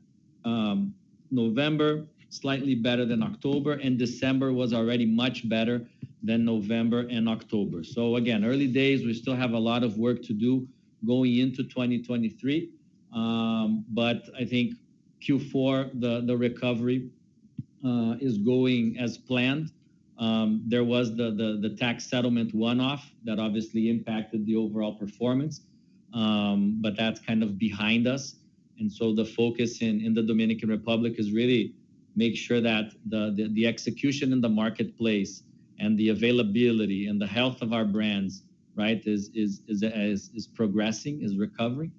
November slightly better than October, and December was already much better than November and October. Again, early days, we still have a lot of work to do going into 2023. I think Q4, the recovery is going as planned. There was the tax settlement one-off that obviously impacted the overall performance, but that's kind of behind us. The focus in the Dominican Republic is really make sure that the execution in the marketplace and the availability and the health of our brands, right? Is progressing, is recovering.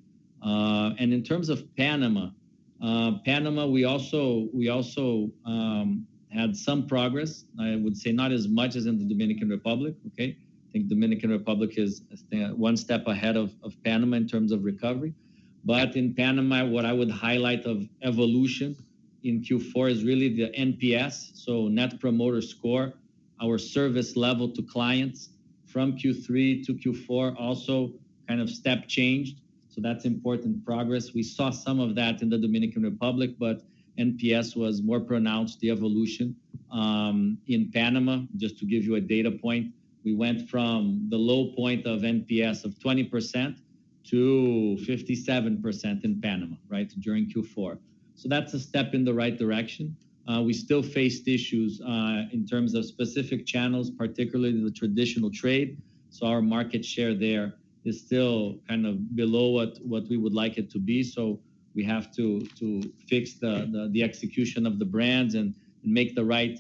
In terms of Panama. Panama, we also had some progress. I would say not as much as in the Dominican Republic, okay? I think Dominican Republic is one step ahead of Panama in terms of recovery. In Panama, what I would highlight of evolution in Q4 is really the NPS, so NPS. Our service level to clients from Q3 to Q4 also kind of step changed, so that's important progress. We saw some of that in the Dominican Republic, NPS was more pronounced, the evolution. In Panama, just to give you a data point, we went from the low point of NPS of 20% to 57% in Panama, right? During Q4. That's a step in the right direction. We still faced issues in terms of specific channels, particularly the traditional trade. Our market share there is still kind of below what we would like it to be, so we have to fix the execution of the brands and make the right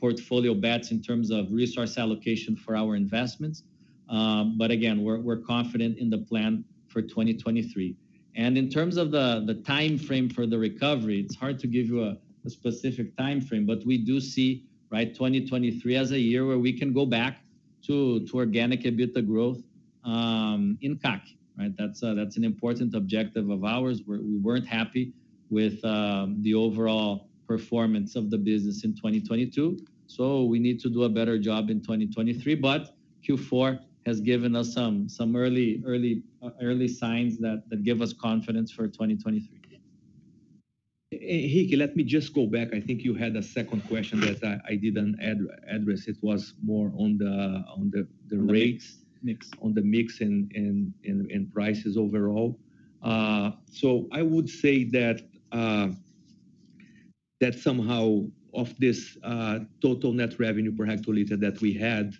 portfolio bets in terms of resource allocation for our investments. Again, we're confident in the plan for 2023. In terms of the timeframe for the recovery, it's hard to give you a specific timeframe, but we do see, right, 2023 as a year where we can go back to organic EBITDA growth in CAC, right? That's an important objective of ours. We weren't happy with the overall performance of the business in 2022. We need to do a better job in 2023. Q4 has given us some early signs that give us confidence for 2023. Riqui, let me just go back. I think you had a second question that I didn't address. It was more on the rates... Mix... on the mix and prices overall. I would say that somehow of this total net revenue per hectoliter that we had,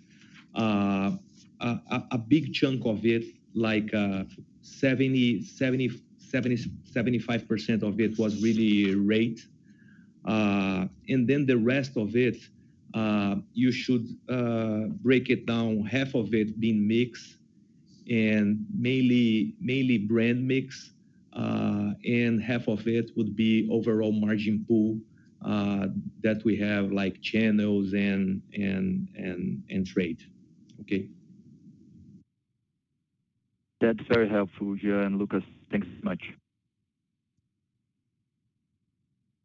a big chunk of it, like 75% of it was really rate. Then the rest of it, you should break it down, half of it being mix and mainly brand mix. Half of it would be overall margin pool that we have, like channels and trade. Okay. That's very helpful, Jean and Lucas. Thanks so much.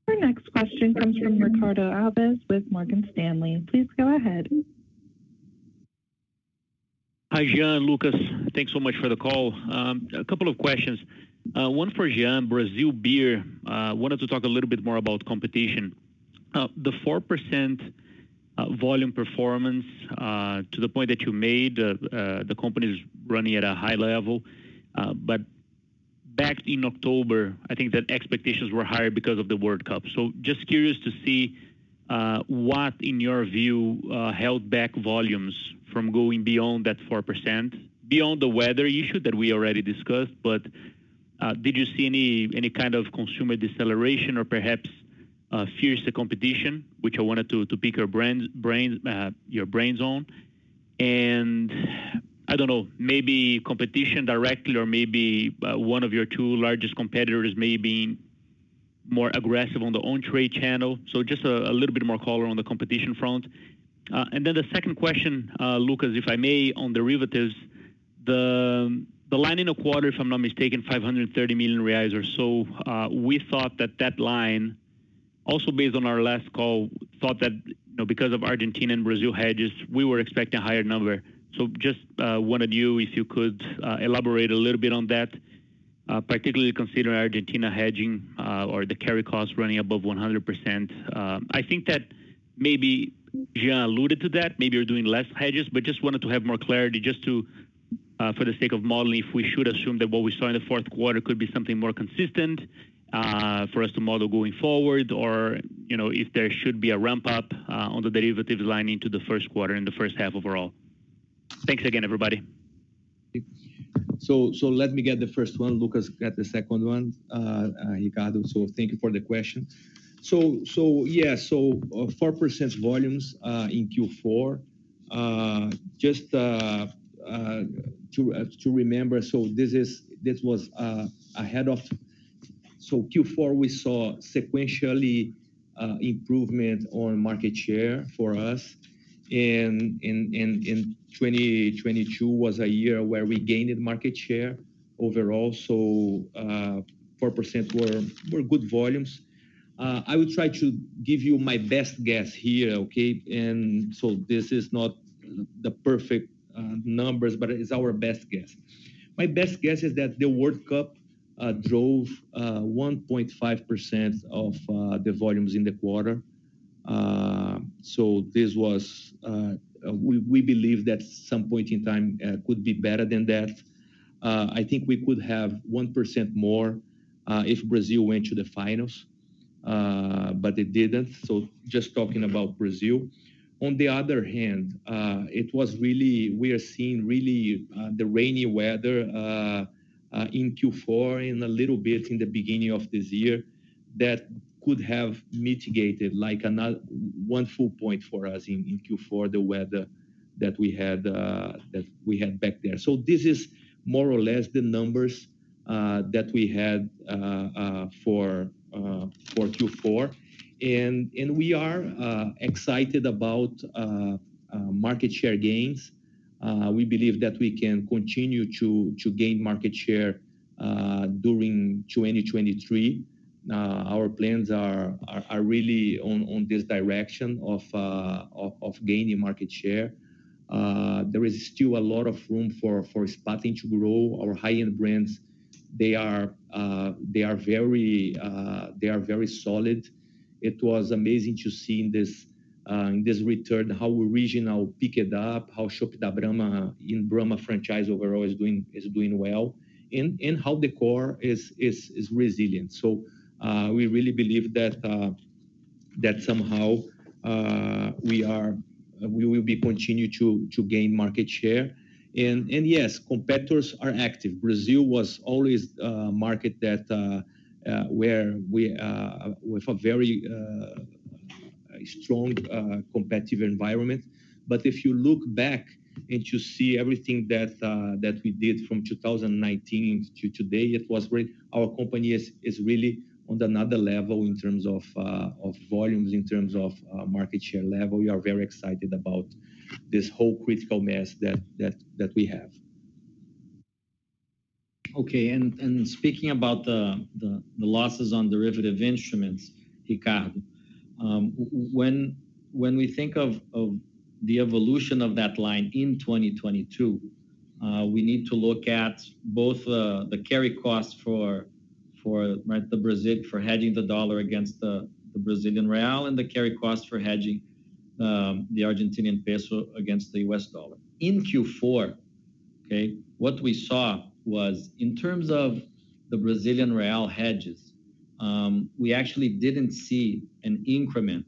Our next question comes from Ricardo Alves with Morgan Stanley. Please go ahead. Hi, Jean, Lucas. Thanks so much for the call. A couple of questions. One for Jean, Brazil Beer. Wanted to talk a little bit more about competition. The 4% volume performance, to the point that you made, the company's running at a high level. Back in October, I think that expectations were higher because of the World Cup. Just curious to see what, in your view, held back volumes from going beyond that 4%. Beyond the weather issue that we already discussed, but did you see any kind of consumer deceleration or perhaps fiercer competition, which I wanted to pick your brains on? I don't know, maybe competition directly or maybe one of your two largest competitors may have been more aggressive on the own trade channel. Just a little bit more color on the competition front. The second question, Lucas, if I may, on derivatives. The line in the quarter, if I'm not mistaken, 530 million reais or so, we thought that that line also based on our last call, thought that, you know, because of Argentina and Brazil hedges, we were expecting a higher number. Just wanted you, if you could elaborate a little bit on that. Particularly considering Argentina hedging or the carry costs running above 100%. I think that maybe Jean alluded to that, maybe you're doing less hedges, just wanted to have more clarity just to, for the sake of modeling, if we should assume that what we saw in the fourth quarter could be something more consistent, for us to model going forward or, you know, if there should be a ramp up, on the derivatives line into the first quarter and the first half overall. Thanks again, everybody. Let me get the first one. Lucas get the second one. Ricardo, thank you for the question. Yeah. 4% volumes in Q4. Just to remember, this was ahead of... Q4, we saw sequentially, improvement on market share for us. In 2022 was a year where we gained market share overall. 4% were good volumes. I will try to give you my best guess here, okay? This is not the perfect numbers, but it's our best guess. My best guess is that the World Cup drove 1.5% of the volumes in the quarter. This was, we believe that some point in time, could be better than that. I think we could have 1% more if Brazil went to the finals, but they didn't. Just talking about Brazil. On the other hand, it was really we are seeing really the rainy weather in Q4 and a little bit in the beginning of this year that could have mitigated like 1 full point for us in Q4, the weather that we had that we had back there. This is more or less the numbers that we had for Q4. We are excited about market share gains. We believe that we can continue to gain market share during 2023. Our plans are really on this direction of gaining market share. There is still a lot of room for Spaten to grow our high-end brands. They are very solid. It was amazing to see in this return how regional pick it up, how Chopp Brahma in Brahma franchise overall is doing well, and how the core is resilient. We really believe that somehow we will be continued to gain market share. Yes, competitors are active. Brazil was always a market that where we with a very strong competitive environment. If you look back and to see everything that we did from 2019 to today, it was great. Our company is really on another level in terms of volumes, in terms of market share level. We are very excited about this whole critical mass that we have. Okay. speaking about the losses on derivative instruments, Ricardo, when we think of the evolution of that line in 2022, we need to look at both the carry costs for right, for hedging the dollar against the Brazilian real and the carry costs for hedging the Argentinian peso against the US dollar. In Q4, okay, what we saw was in terms of the Brazilian real hedges, we actually didn't see an increment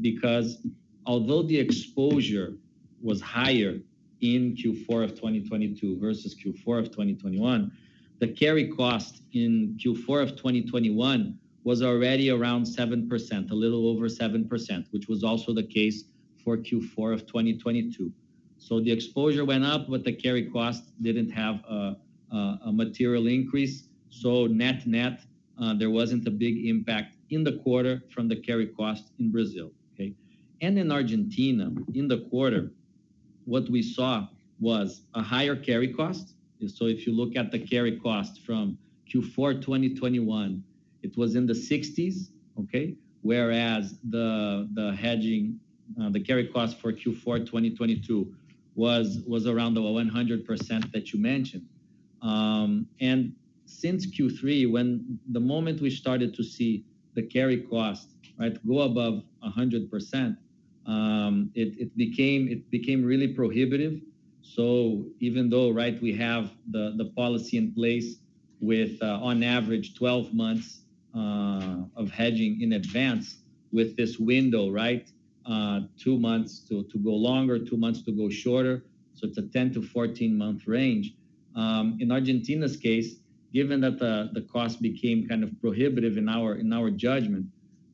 because although the exposure was higher in Q4 of 2022 versus Q4 of 2021, the carry cost in Q4 of 2021 was already around 7%, a little over 7%, which was also the case for Q4 of 2022. The exposure went up, but the carry costs didn't have a material increase. Net-net, there wasn't a big impact in the quarter from the carry cost in Brazil. Okay? In Argentina, in the quarter, what we saw was a higher carry cost. If you look at the carry cost from Q4 2021, it was in the 60s%, okay? Whereas the hedging, the carry cost for Q4 2022 was around the 100% that you mentioned. Since Q3, when the moment we started to see the carry cost, right, go above 100%, it became really prohibitive. Even though, right, we have the policy in place with on average 12 months of hedging in advance with this window, right, 2 months to go longer, 2 months to go shorter, so it's a 10-14 month range. In Argentina's case, given that the cost became kind of prohibitive in our judgment,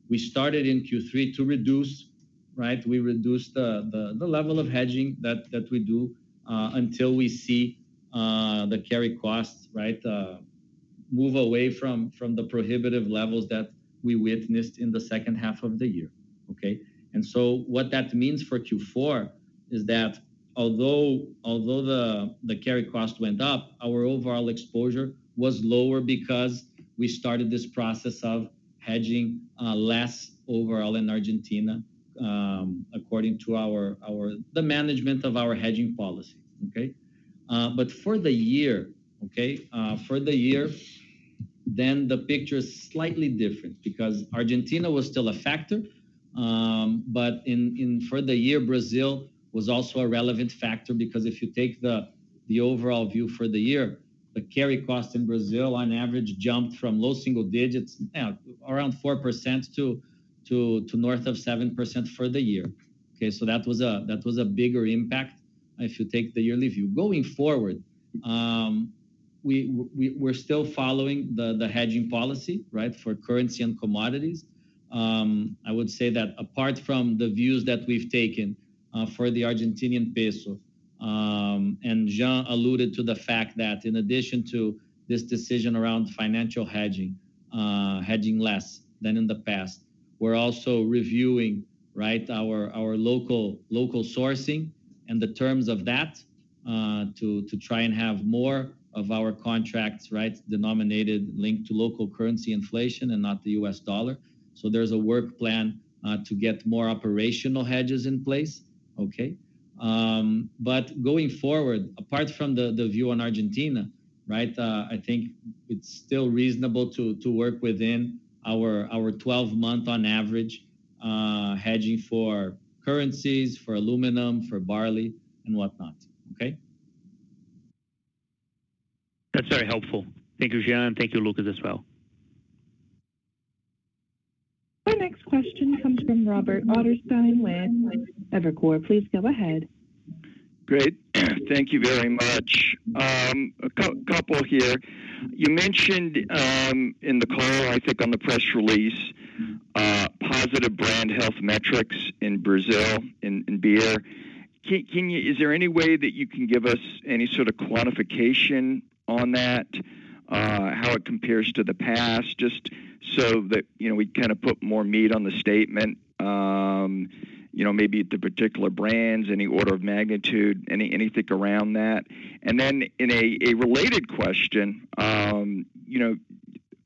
we started in Q3 to reduce, right. We reduced the level of hedging that we do until we see the carry costs, right, move away from the prohibitive levels that we witnessed in the second half of the year. Okay. What that means for Q4 is that although the carry cost went up, our overall exposure was lower because we started this process of hedging less overall in Argentina according to our the management of our hedging policy. Okay. For the year, for the year, the picture is slightly different because Argentina was still a factor. For the year, Brazil was also a relevant factor because if you take the overall view for the year, the carry cost in Brazil on average jumped from low single digits, around 4% to north of 7% for the year. Okay? That was a bigger impact if you take the yearly view. Going forward, we're still following the hedging policy, right, for currency and commodities. I would say that apart from the views that we've taken for the Argentinian peso, and Jean alluded to the fact that in addition to this decision around financial hedging less than in the past, we're also reviewing, right, our local sourcing and the terms of that, to try and have more of our contracts, right, denominated linked to local currency inflation and not the US dollar. There's a work plan to get more operational hedges in place. Okay? Going forward, apart from the view on Argentina Right. I think it's still reasonable to work within our 12-month on average hedging for currencies, for aluminum, for barley and whatnot. Okay? That's very helpful. Thank you, Jean. Thank you, Lucas, as well. The next question comes from Robert Ottenstein with Evercore. Please go ahead. Great. Thank you very much. A couple here. You mentioned, in the call, I think, on the press release, positive brand health metrics in Brazil in beer. Is there any way that you can give us any sort of quantification on that, how it compares to the past, just so that, you know, we kind of put more meat on the statement? You know, maybe the particular brands, any order of magnitude, anything around that? In a related question, you know,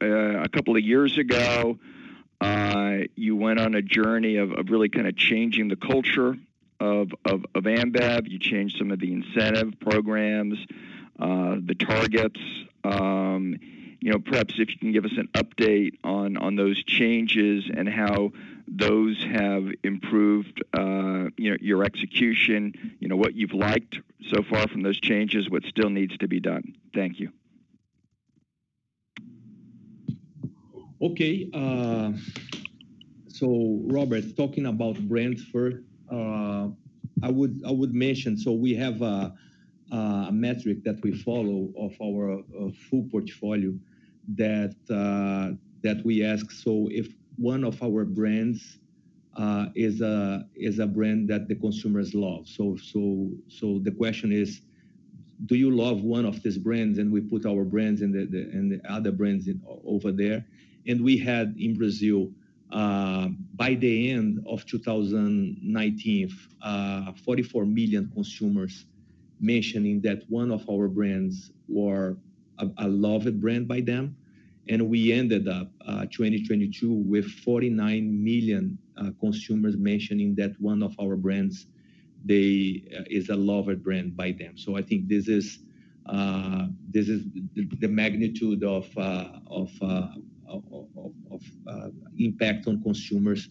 a couple of years ago, you went on a journey of really kind of changing the culture of Ambev. You changed some of the incentive programs, the targets. You know, perhaps if you can give us an update on those changes and how those have improved, you know, your execution, you know, what you've liked so far from those changes, what still needs to be done. Thank you. Okay. Robert, talking about brands first, I would mention, we have a metric that we follow of our full portfolio that we ask. If one of our brands is a brand that the consumers love. The question is, do you love one of these brands? We put our brands in the other brands over there. We had in Brazil, by the end of 2019, 44 million consumers mentioning that one of our brands were a loved brand by them. We ended up 2022 with 49 million consumers mentioning that one of our brands is a loved brand by them. I think this is the magnitude of impact on consumers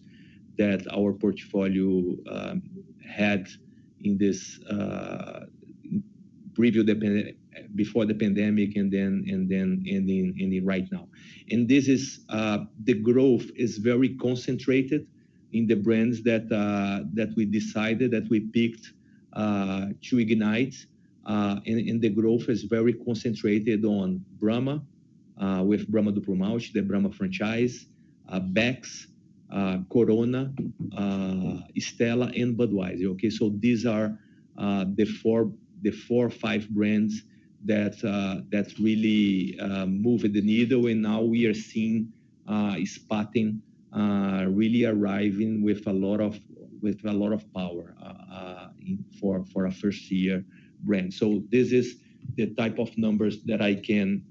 that our portfolio had in this preview before the pandemic and then right now. This is the growth is very concentrated in the brands that we decided, that we picked to ignite. And the growth is very concentrated on Brahma, with Brahma Duplo Malte, the Brahma franchise, Beck's, Corona, Stella and Budweiser. Okay? These are the four or five brands that really move the needle. Now we are seeing Spaten really arriving with a lot of power for a first-year brand. This is the type of numbers that I can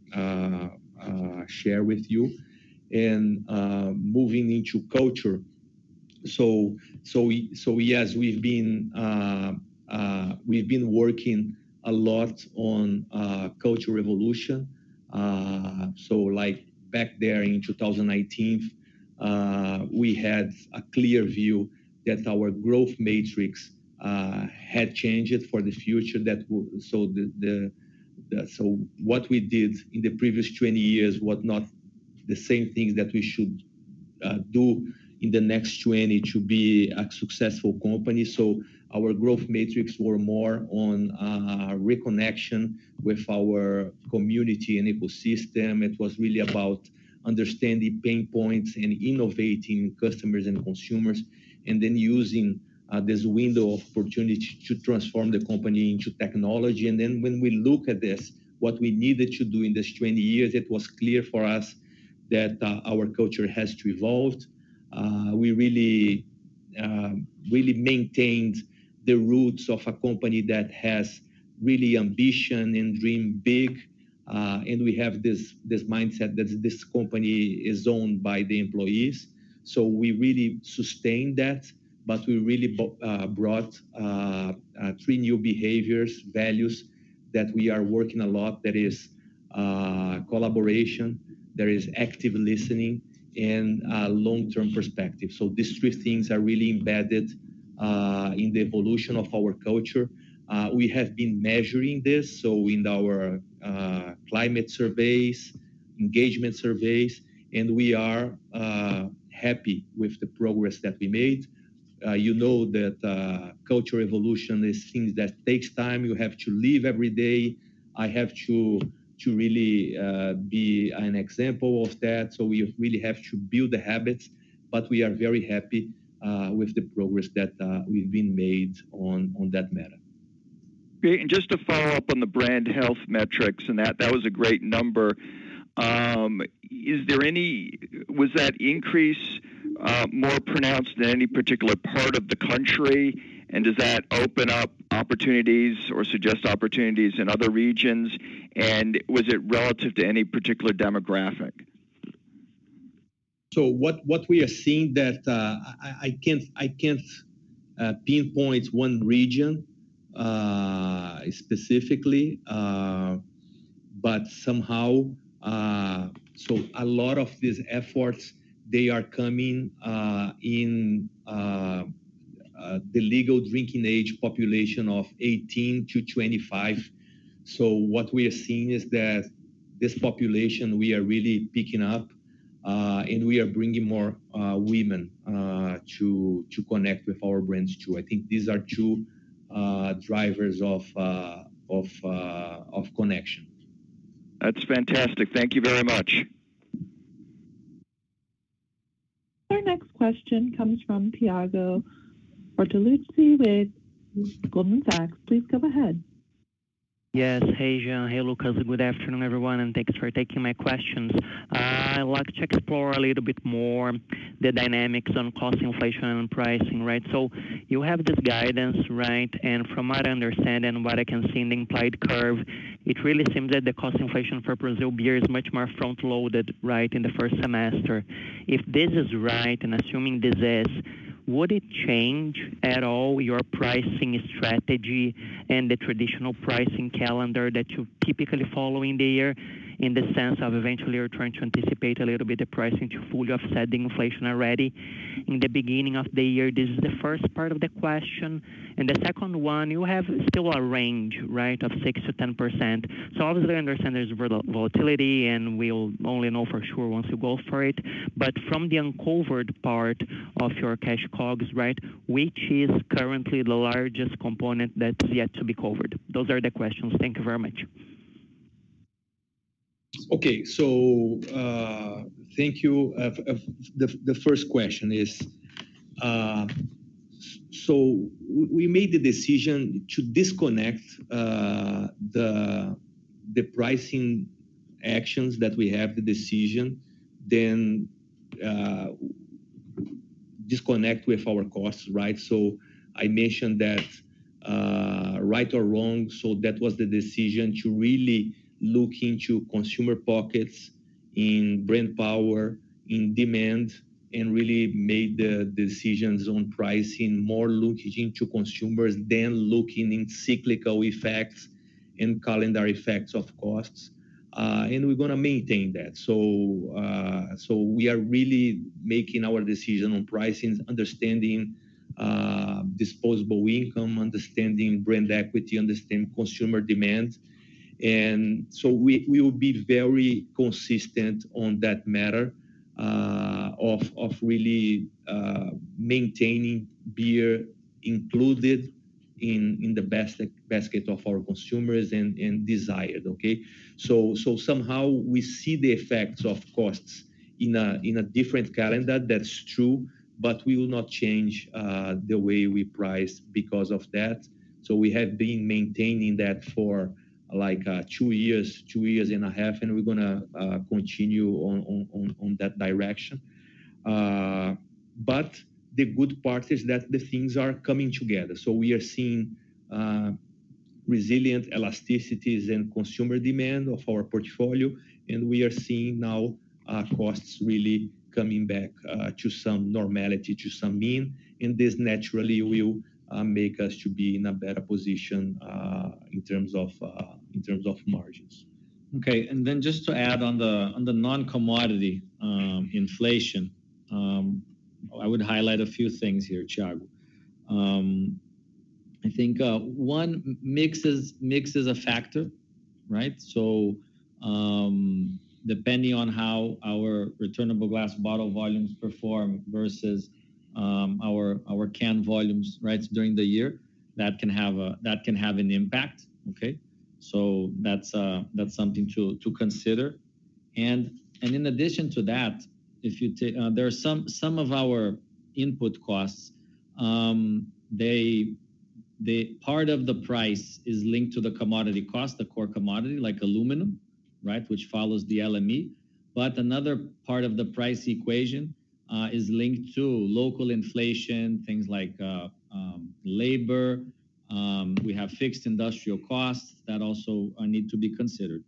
share with you. Moving into culture. Yes, we've been working a lot on culture revolution. Like back there in 2018, we had a clear view that our growth matrix had changed for the future that so the so what we did in the previous 20 years was not the same things that we should do in the next 20 to be a successful company. Our growth matrix were more on reconnection with our community and ecosystem. It was really about understanding pain points and innovating customers and consumers, and then using this window of opportunity to transform the company into technology. When we look at this, what we needed to do in this 20 years, it was clear for us that our culture has to evolve. We really maintained the roots of a company that has really ambition and dream big. We have this mindset that this company is owned by the employees. We really sustained that, we really brought 3 new behaviors, values that we are working a lot. That is collaboration, there is active listening and long-term perspective. These 3 things are really embedded in the evolution of our culture. We have been measuring this in our climate surveys, engagement surveys, we are happy with the progress that we made. You know that culture evolution is things that takes time. You have to live every day. I have to really, be an example of that. We really have to build the habits, but we are very happy with the progress that we've been made on that matter. Great. Just to follow up on the brand health metrics, and that was a great number. Was that increase more pronounced than any particular part of the country? Does that open up opportunities or suggest opportunities in other regions? Was it relative to any particular demographic? What we are seeing that, I can't pinpoint one region, specifically, but somehow, a lot of these efforts, they are coming, in, the legal drinking age population of 18 to 25. What we are seeing is that this population, we are really picking up, and we are bringing more, women, to connect with our brands too. I think these are two, drivers of connection. That's fantastic. Thank you very much. Our next question comes from Thiago Bortoluci with Goldman Sachs. Please go ahead. Yes. Hey, Jean. Hey, Lucas. Good afternoon, everyone, and thanks for taking my questions. I'd like to explore a little bit more the dynamics on cost inflation and pricing, right? You have this guidance, right? From what I understand and what I can see in the implied curve, it really seems that the cost inflation for Brazil beer is much more front-loaded, right, in the first semester. If this is right, and assuming this is, would it change at all your pricing strategy and the traditional pricing calendar that you typically follow in the year, in the sense of eventually you're trying to anticipate a little bit the pricing to fully offset the inflation already in the beginning of the year? This is the first part of the question. The second one, you have still a range, right, of 6%-10%? Obviously, I understand there's volatility, and we'll only know for sure once you go for it. From the uncovered part of your cash costs, right, which is currently the largest component that's yet to be covered? Those are the questions. Thank you very much. Okay. Thank you. The first question is, so we made the decision to disconnect the pricing actions that we have the decision, then, disconnect with our costs, right? I mentioned that, right or wrong, that was the decision to really look into consumer pockets in brand power, in demand, and really made the decisions on pricing more looking into consumers than looking in cyclical effects and calendar effects of costs. We're gonna maintain that. We are really making our decision on pricing, understanding disposable income, understanding brand equity, understanding consumer demand. We will be very consistent on that matter, of really maintaining beer included in the basket of our consumers and desired, okay? Somehow we see the effects of costs in a different calendar, that's true, but we will not change the way we price because of that. We have been maintaining that for, like, two years and a half, and we're gonna continue on that direction. The good part is that the things are coming together. We are seeing resilient elasticities in consumer demand of our portfolio, and we are seeing now our costs really coming back to some normality, to some mean. This naturally will make us to be in a better position in terms of margins. Okay. Just to add on the, on the non-commodity inflation, I would highlight a few things here, Thiago. I think, one, mix is a factor, right? Depending on how our returnable glass bottle volumes perform versus our can volumes, right, during the year, that can have an impact, okay? That's something to consider. In addition to that, if you take... There are some of our input costs, part of the price is linked to the commodity cost, the core commodity, like aluminum, right, which follows the LME. Another part of the price equation is linked to local inflation, things like labor. We have fixed industrial costs that also need to be considered.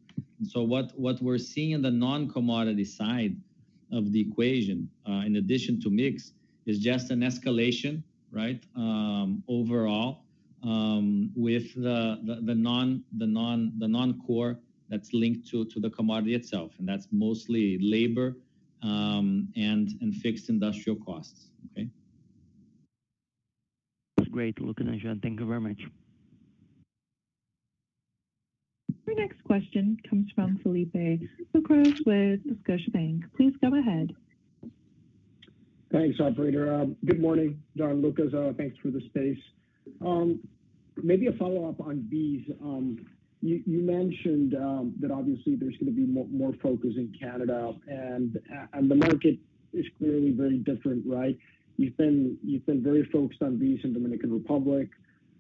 What we're seeing in the non-commodity side of the equation, in addition to mix, is just an escalation, right, overall, with the non-core that's linked to the commodity itself, and that's mostly labor, and fixed industrial costs. Okay. That's great, Lucas and Jean. Thank you very much. Our next question comes from Felipe Ucros with Scotiabank. Please go ahead. Thanks, operator. Good morning, Jean and Lucas. Thanks for the space. Maybe a follow-up on BEES. You mentioned that obviously there's gonna be more focus in Canada, and the market is clearly very different, right? You've been very focused on BEES in Dominican Republic,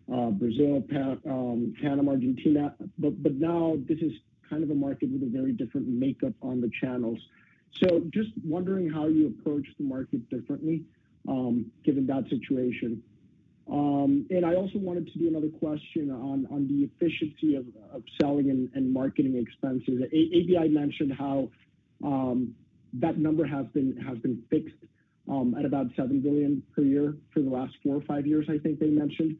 Brazil, Panama, Argentina, but now this is kind of a market with a very different makeup on the channels. Just wondering how you approach the market differently, given that situation. I also wanted to do another question on the efficiency of selling and marketing expenses. ABI mentioned how that number has been fixed at about $7 billion per year for the last four or five years, I think they mentioned.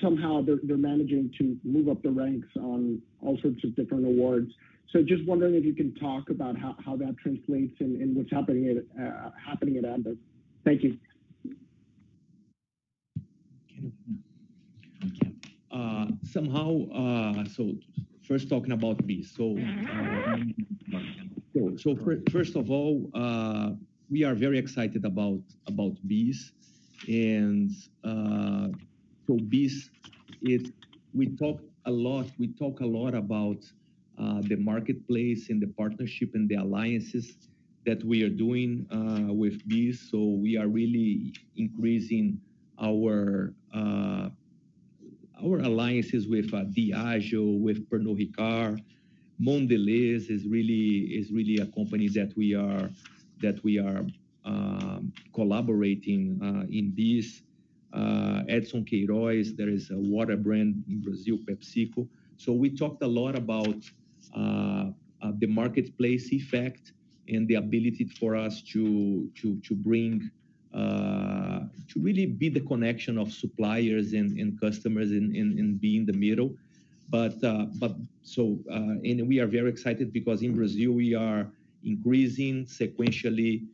Somehow they're managing to move up the ranks on all sorts of different awards. Just wondering if you can talk about how that translates and what's happening at Ambev. Thank you. First talking about BEES. First of all, we are very excited about BEES. We talk a lot about the marketplace and the partnership and the alliances that we are doing with BEES. We are really increasing our alliances with Diageo, with Pernod Ricard. Mondelēz is really a company that we are collaborating in this. Edson Queiroz, there is a water brand in Brazil, PepsiCo. We talked a lot about the marketplace effect and the ability for us to bring to really be the connection of suppliers and customers and be in the middle. We are very excited because in Brazil we are increasing sequentially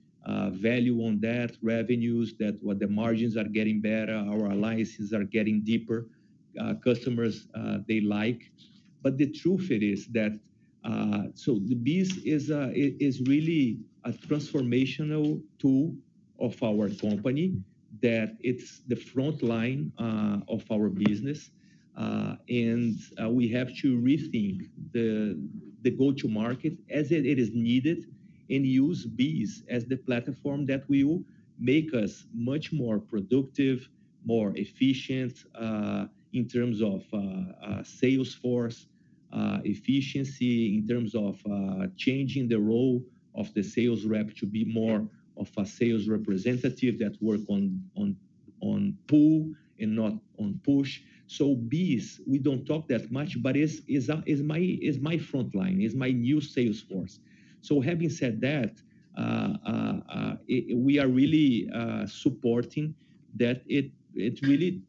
value on that, revenues, that what the margins are getting better, our alliances are getting deeper. Customers they like. The truth it is that the BEES is is really a transformational tool of our company that it's the frontline of our business. And we have to rethink the GTM as it is needed and use BEES as the platform that will make us much more productive, more efficient in terms of sales force efficiency, in terms of changing the role of the sales rep to be more of a sales representative that work on on on pull and not on push. BEES, we don't talk that much, but is my frontline, is my new sales force. Having said that, we are really supporting that it really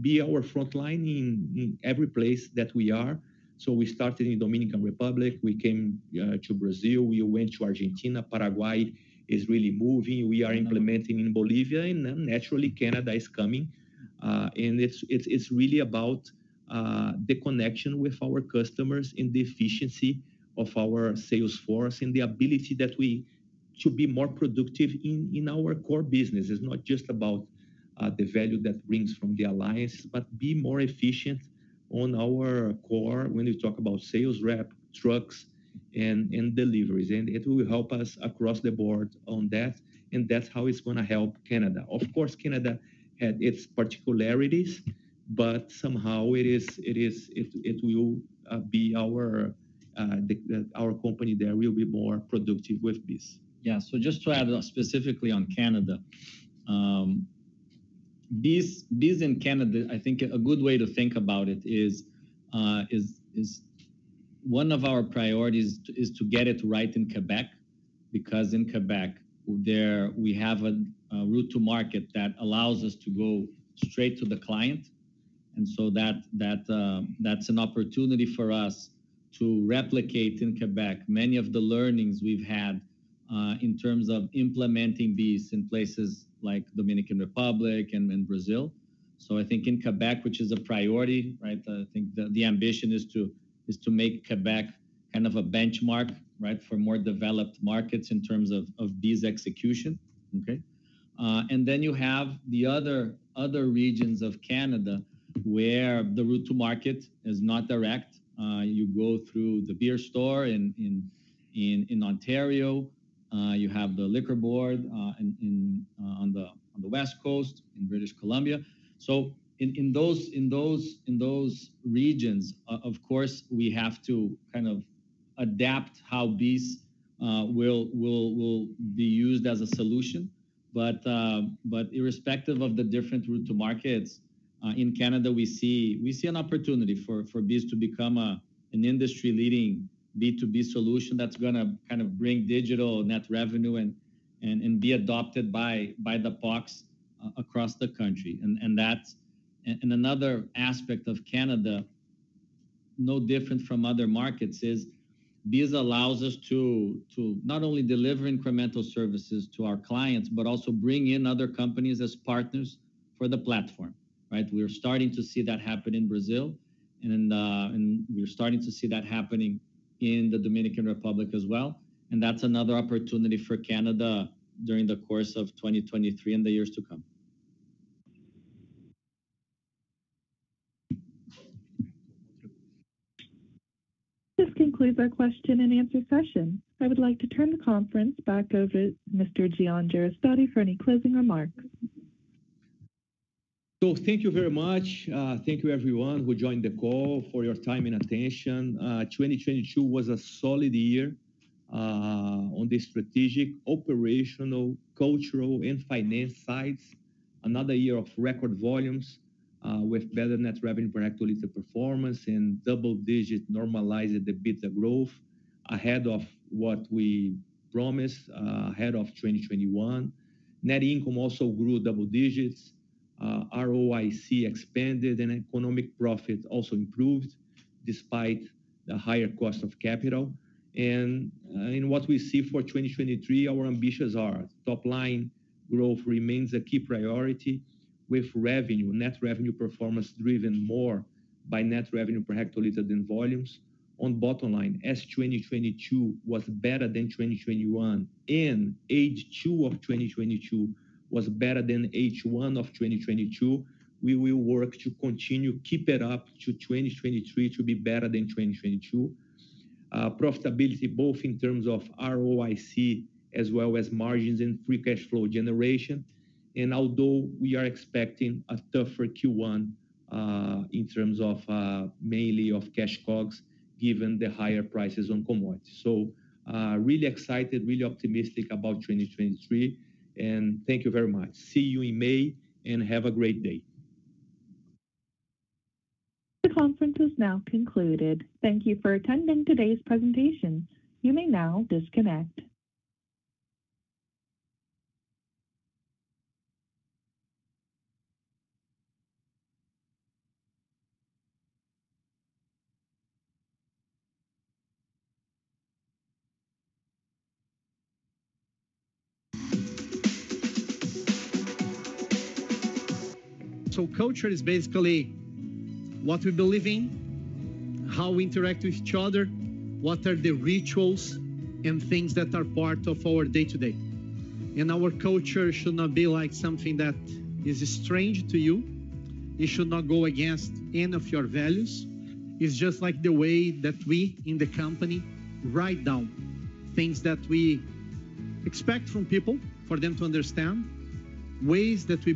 be our frontline in every place that we are. We started in Dominican Republic, we came to Brazil, we went to Argentina. Paraguay is really moving. We are implementing in Bolivia, naturally Canada is coming. It's really about the connection with our customers and the efficiency of our sales force and the ability that we to be more productive in our core business. It's not just about the value that brings from the alliance, but be more efficient on our core when you talk about sales rep, trucks, and deliveries. It will help us across the board on that, and that's how it's gonna help Canada. Of course, Canada had its particularities, but somehow Our company there will be more productive with BEES. Just to add specifically on Canada. BEES in Canada, I think a good way to think about it is one of our priorities is to get it right in Quebec, because in Quebec there we have a route to market that allows us to go straight to the client. That's an opportunity for us to replicate in Quebec many of the learnings we've had in terms of implementing BEES in places like Dominican Republic and in Brazil. I think in Quebec, which is a priority, right? I think the ambition is to make Quebec kind of a benchmark, right? For more developed markets in terms of BEES execution. Okay? Then you have the other regions of Canada where the route to market is not direct. You go through The Beer Store in Ontario. You have the liquor board in British Columbia. In those regions, of course, we have to kind of adapt how BEES will be used as a solution. Irrespective of the different route to markets in Canada, we see an opportunity for BEES to become an industry-leading B2B solution that's gonna kind of bring digital net revenue and be adopted by the packs across the country. Another aspect of Canada, no different from other markets, is BEES allows us to not only deliver incremental services to our clients, but also bring in other companies as partners for the platform, right? We're starting to see that happen in Brazil, and then we're starting to see that happening in the Dominican Republic as well. That's another opportunity for Canada during the course of 2023 and the years to come. This concludes our question and answer session. I would like to turn the conference back over to Mr. Jean Jereissati for any closing remarks. Thank you very much. Thank you everyone who joined the call for your time and attention. 2022 was a solid year on the strategic, operational, cultural and finance sides. Another year of record volumes, with better net revenue per hectoliter performance and double-digit normalized EBITDA growth ahead of what we promised, ahead of 2021. Net income also grew double-digits. ROIC expanded and economic profit also improved despite the higher cost of capital. In what we see for 2023, our ambitions are top-line growth remains a key priority with revenue, net revenue performance driven more by net revenue per hectoliter than volumes. On bottom line, as 2022 was better than 2021 and H2 of 2022 was better than H1 of 2022, we will work to continue keep it up to 2023 to be better than 2022. Profitability both in terms of ROIC as well as margins and free cash flow generation. Although we are expecting a tougher Q1, in terms of, mainly of cash COGS given the higher prices on commodities. Really excited, really optimistic about 2023 and thank you very much. See you in May and have a great day. The conference is now concluded. Thank you for attending today's presentation. You may now disconnect. Culture is basically what we believe in, how we interact with each other, what are the rituals and things that are part of our day-to-day. Our culture should not be like something that is strange to you. It should not go against any of your values. It's just like the way that we in the company write down things that we expect from people for them to understand, ways that we.